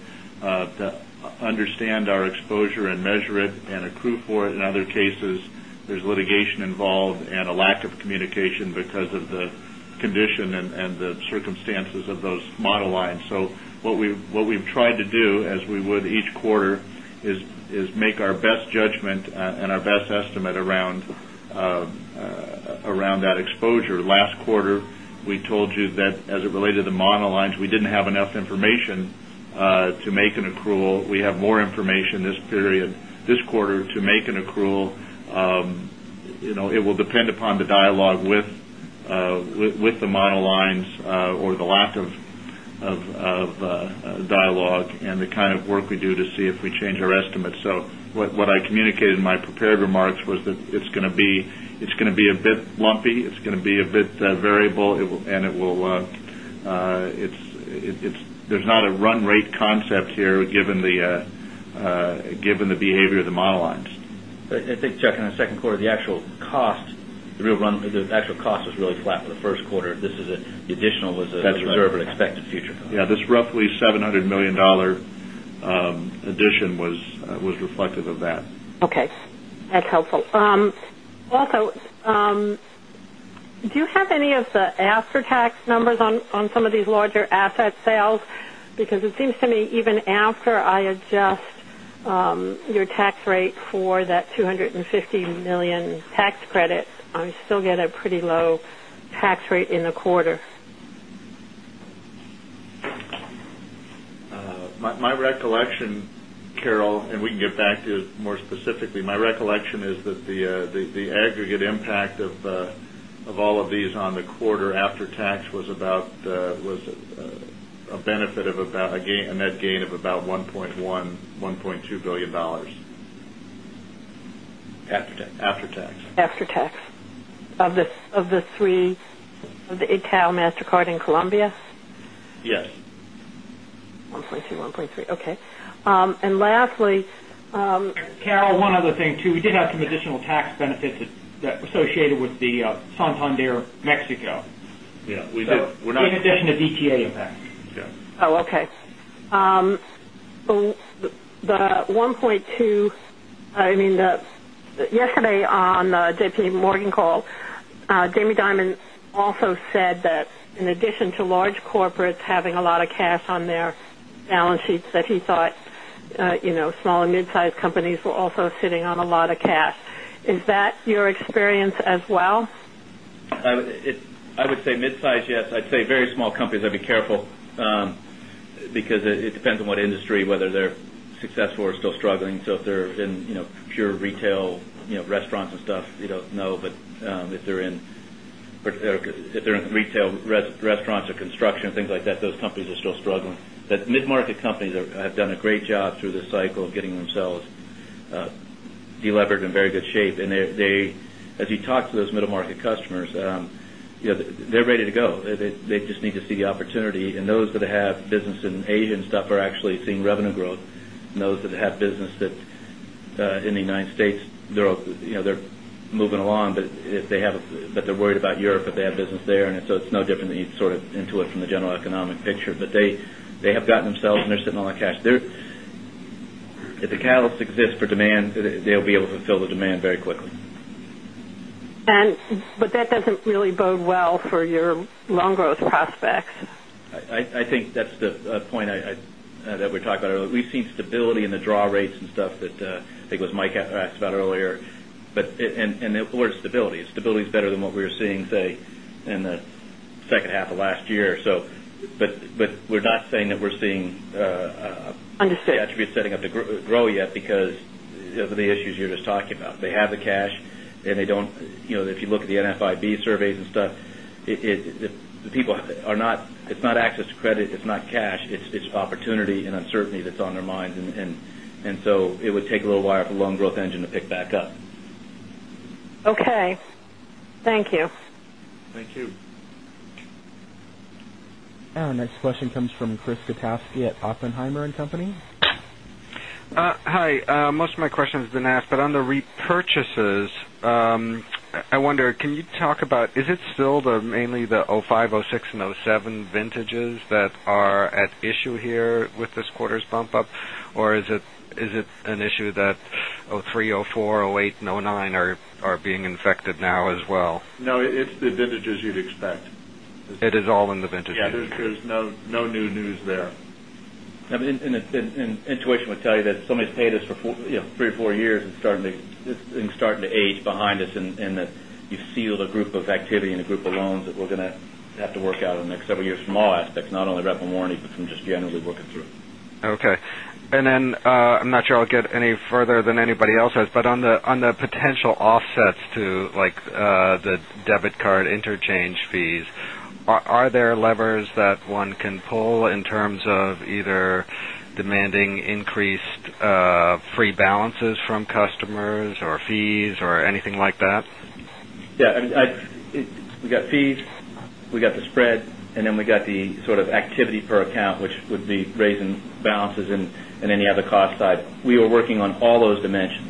understand our exposure and measure it and accrue for it. In other cases, there's litigation involved and a lack of communication because of the is make our best judgment and our best estimate around that exposure. Last quarter, we told you that as it related to monolines, we didn't have enough information to make an accrual. We have more information this period this quarter to make an accrual. It will depend upon the dialogue with the monoclines or the lack of dialogue and the kind of work we do to see if we change our estimates. So what I communicated in my prepared remarks was that it's going to be a bit lumpy, it's going to be a bit variable and it will there's not a run rate concept here the behavior of the monologues. I think Chuck, in the second quarter, the actual cost, the real run the actual cost was really flat for the first quarter. This is the additional reserve and expected future comp. Yes. This roughly $700,000,000 addition was reflective of that. Okay. That's helpful. Also, do you have any of the after tax numbers on some of these larger asset sales? Because it seems to me even after I adjust your tax rate for that $250,000,000 tax credit, I still get a pretty low tax rate in the quarter. My recollection, Carol, and we can get back to you more specifically. My recollection is that the aggregate impact of all of these on the quarter after tax was a net gain of about $1,100,000,000 $1,200,000,000 After tax. After tax. After tax. Of the 3 of the ITAU, Mastercard in Colombia? Yes. 1.2, 1.3, okay. And lastly Carol, one other thing too. We did have some additional tax benefits that associated with the Tundeir Mexico. In addition to DTA impact. Okay. So the one point 2, I mean, yesterday on JPMorgan call, Jamie Dimon also said that in addition to large corporates having a lot of cash on their balance sheets that he thought small and mid sized companies were also sitting on a lot of cash. Is that your experience as well? I would say midsize, yes. I'd say very small companies, I'd be careful because it depends on what industry, whether they're successful or still struggling. So if they're in pure retail restaurants and stuff, you don't know. But if they're in retail restaurants or construction, things like that, those companies are still struggling. That mid market companies have done a great job through this cycle of getting themselves delevered in very good shape. And they as you talk to those middle market customers, they're ready to go. They just need to see the opportunity. And those that have business in Asia and stuff are actually seeing revenue growth. And those that have business that in the United States, they're moving along, but if they have but they're worried about Europe, but they have business there. And so it's no different than you sort of into it from the general economic picture. But they have gotten themselves and they're sitting all the cash there. If the catalyst exists for demand, they'll be able to fill the demand very quickly. But that doesn't really bode well for your loan growth prospects? I think that's the point that we're talking about. We've seen stability in the in the draw rates and stuff that I think was Mike asked about earlier. But and what is stability? Stability is better than what we were seeing say in the second half of last year. So but we're not saying that we're seeing the attributes setting up to grow yet because of the issues you're just talking about. They have the cash and they don't if you look at the NFIB surveys and stuff, the people are not it's not access to credit, it's not cash, it's opportunity and uncertainty that's on their minds. And so it would take little while for loan growth engine to pick back up. Okay. Thank you. Thank you. Our next question comes from Chris Kotowski at Oppenheimer and Company. Hi. Most of my questions have been asked. But on the rep this quarter's bump up? Or is it an issue that 2,003, 2,004, 2,008 and 2,009 are being infected now as well? No, it's the vintage as you'd expect. It is all in the vintage. Yes, there's no new news there. And intuition would tell you that some has paid us for 3 or 4 years and starting to age behind us and that you seal the group of activity and a group of loans that we're going to have to work out in the next several years from all aspects not only rental warranty but from just generally working through. Okay. And then I'm not sure I'll get any further than anybody else has, but on the potential offsets to like the debit card interchange fees, are there levers that one can pull in terms of either demanding increased free balances from customers or fees or anything like that? Yes. We got fees, we got the spread and then we got the sort of activity per account which would be raising balances and any other cost side. We are working on all those dimensions.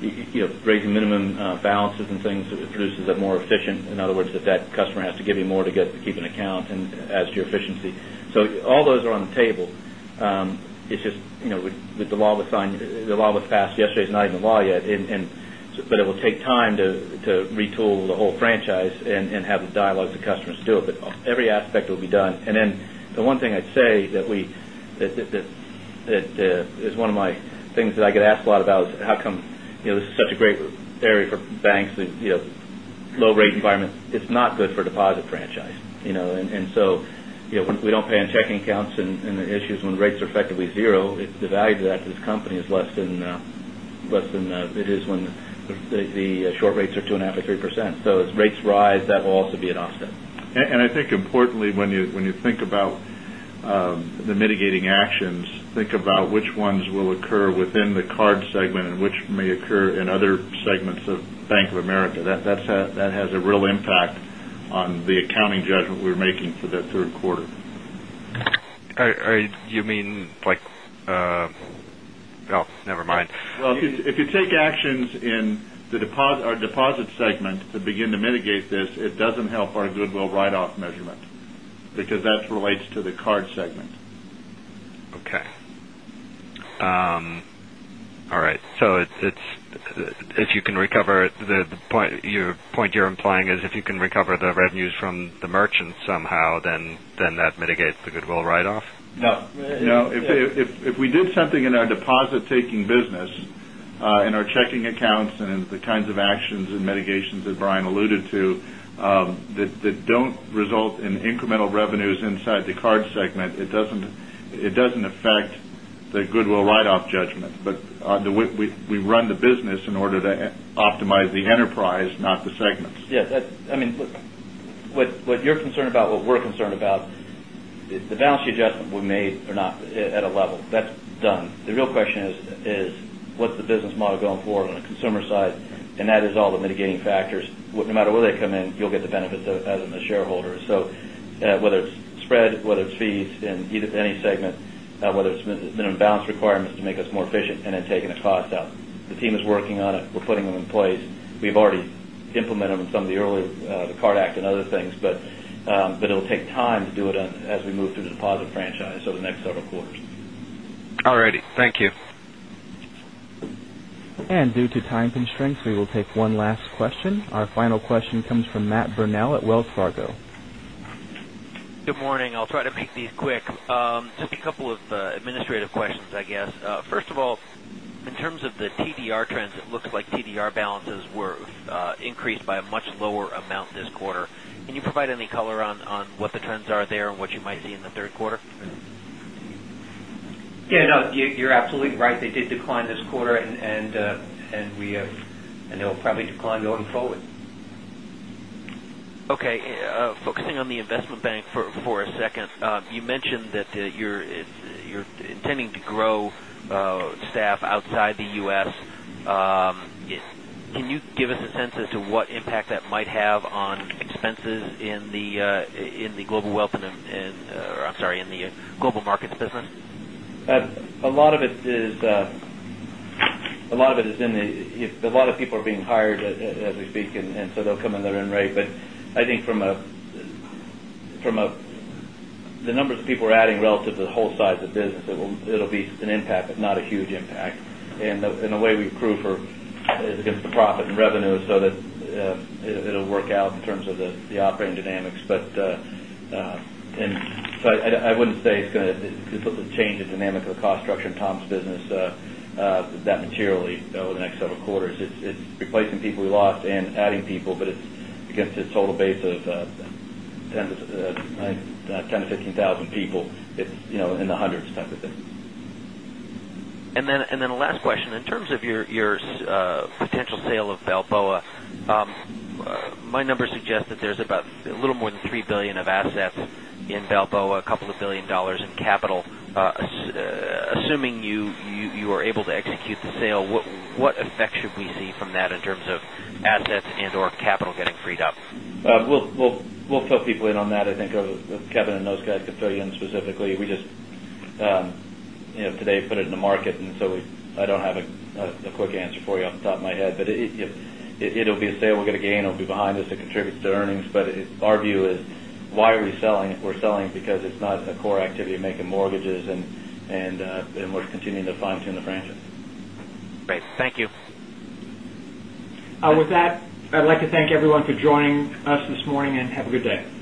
And so raising minimum balances and things produces a more efficient in other words, if that customer has give you more to get to keep an account and adds to your efficiency. So all those are on the table. It's just with the law was passed yesterday, it's not even the law yet. And so but it will take time to retool the whole franchise and have the dialogues of customers do it. But every aspect will be done. And then the one thing I'd say that we that is one of my things that I get asked a lot about is how come this is such a great area for banks, low rate environment, it's not good for deposit franchise. And so we don't pay in checking accounts and the issues when rates are effectively 0, the value to that to this company is less than it is when the short rates are 2.5% to 3%. So as rates rise, that will also be an offset. And I think importantly, when you think about the mitigating actions, think about which ones will occur within the card segment and which may occur in other segments of Bank of America. That has a real never mind. Well, if you take actions, never mind. Well, if you take actions in the deposit segment to begin to mitigate this, it doesn't help our goodwill write off measurement because that relates to the card segment. Okay. All right. So it's if you can recover the point you're implying is if you can recover the revenues from the merchants somehow then that mitigates the goodwill write off? No. If we did something in our deposit taking business, in our checking accounts and the kinds of actions and mitigations that Brian alluded to that don't result in incremental revenues inside the card segment, it doesn't affect the goodwill write off judgment. But we run the business in order to optimize the enterprise, not the segments. Yes. I mean, look, what you're concerned about, what we're concerned about, the balance sheet adjustment we made are not at a level. That's done. The real question is, what's the business model going forward on the consumer side and that is all the mitigating factors. No matter where they come in, you'll get the benefits that it has in shareholders. So, whether it's spread, whether it's fees in any segment, whether it's minimum balance requirements to make us more efficient and then taking the cost out. The team is working on it. We're putting them in place. We've already implemented them in some of the early the card act and other things. But it will take time to do it as we through the deposit franchise over the next several quarters. All right. Thank you. And due to time constraints, we will take one last question. Our final question comes from Matt Bernal at Wells Fargo. Good morning. I'll try to make these quick. Just a couple of administrative questions, I guess. First of all, in terms of the TDR trends, it looks like TDR balances were increased by a much lower amount this quarter. Can you provide any color on what the trends are there and what you might see in the Q3? Yes. No, you're absolutely right. They did decline this quarter and we have and it will probably decline going forward. Okay. Focusing on the Can you give us a sense as to what impact that might have on expenses in the global wealth and I'm sorry in the global markets business? A lot of it is in the a lot of people are being hired as we speak. And so they'll come in their run rate. But I think from the numbers of people we're adding relative to the whole size of business, it will be an impact, but not a huge impact. And in the way we accrue for is against the profit and revenue, so that it will work out in terms of the operating dynamics. But I wouldn't say it's going to change the dynamic of the cost structure in Tom's business that materially over the next several quarters. It's replacing people we lost and adding people, but it gets to a total base of 10 15,000 people, it's in the 100 type of thing. And then last question, in terms of your potential sale of Balboa, my number suggests that there's about a little more than $3,000,000,000 of assets in Balboa, a couple of $1,000,000,000 in capital. Assuming you are able to execute the sale, what effect should we see from that in terms of assets and or capital getting freed up? We'll fill people in on that. I think Kevin and those guys could fill you in specifically. We just today put it in market. And so I don't have a quick answer for you on the top of my head. But it will be a sale we're going to gain, it will be behind us, it contributes to earnings. But our view is why are we selling? We're selling because it's not a core activity of making mortgages and we're continuing to fine tune the franchise. Great. Thank you. With that, I'd like to thank everyone for joining us this morning and have a good day.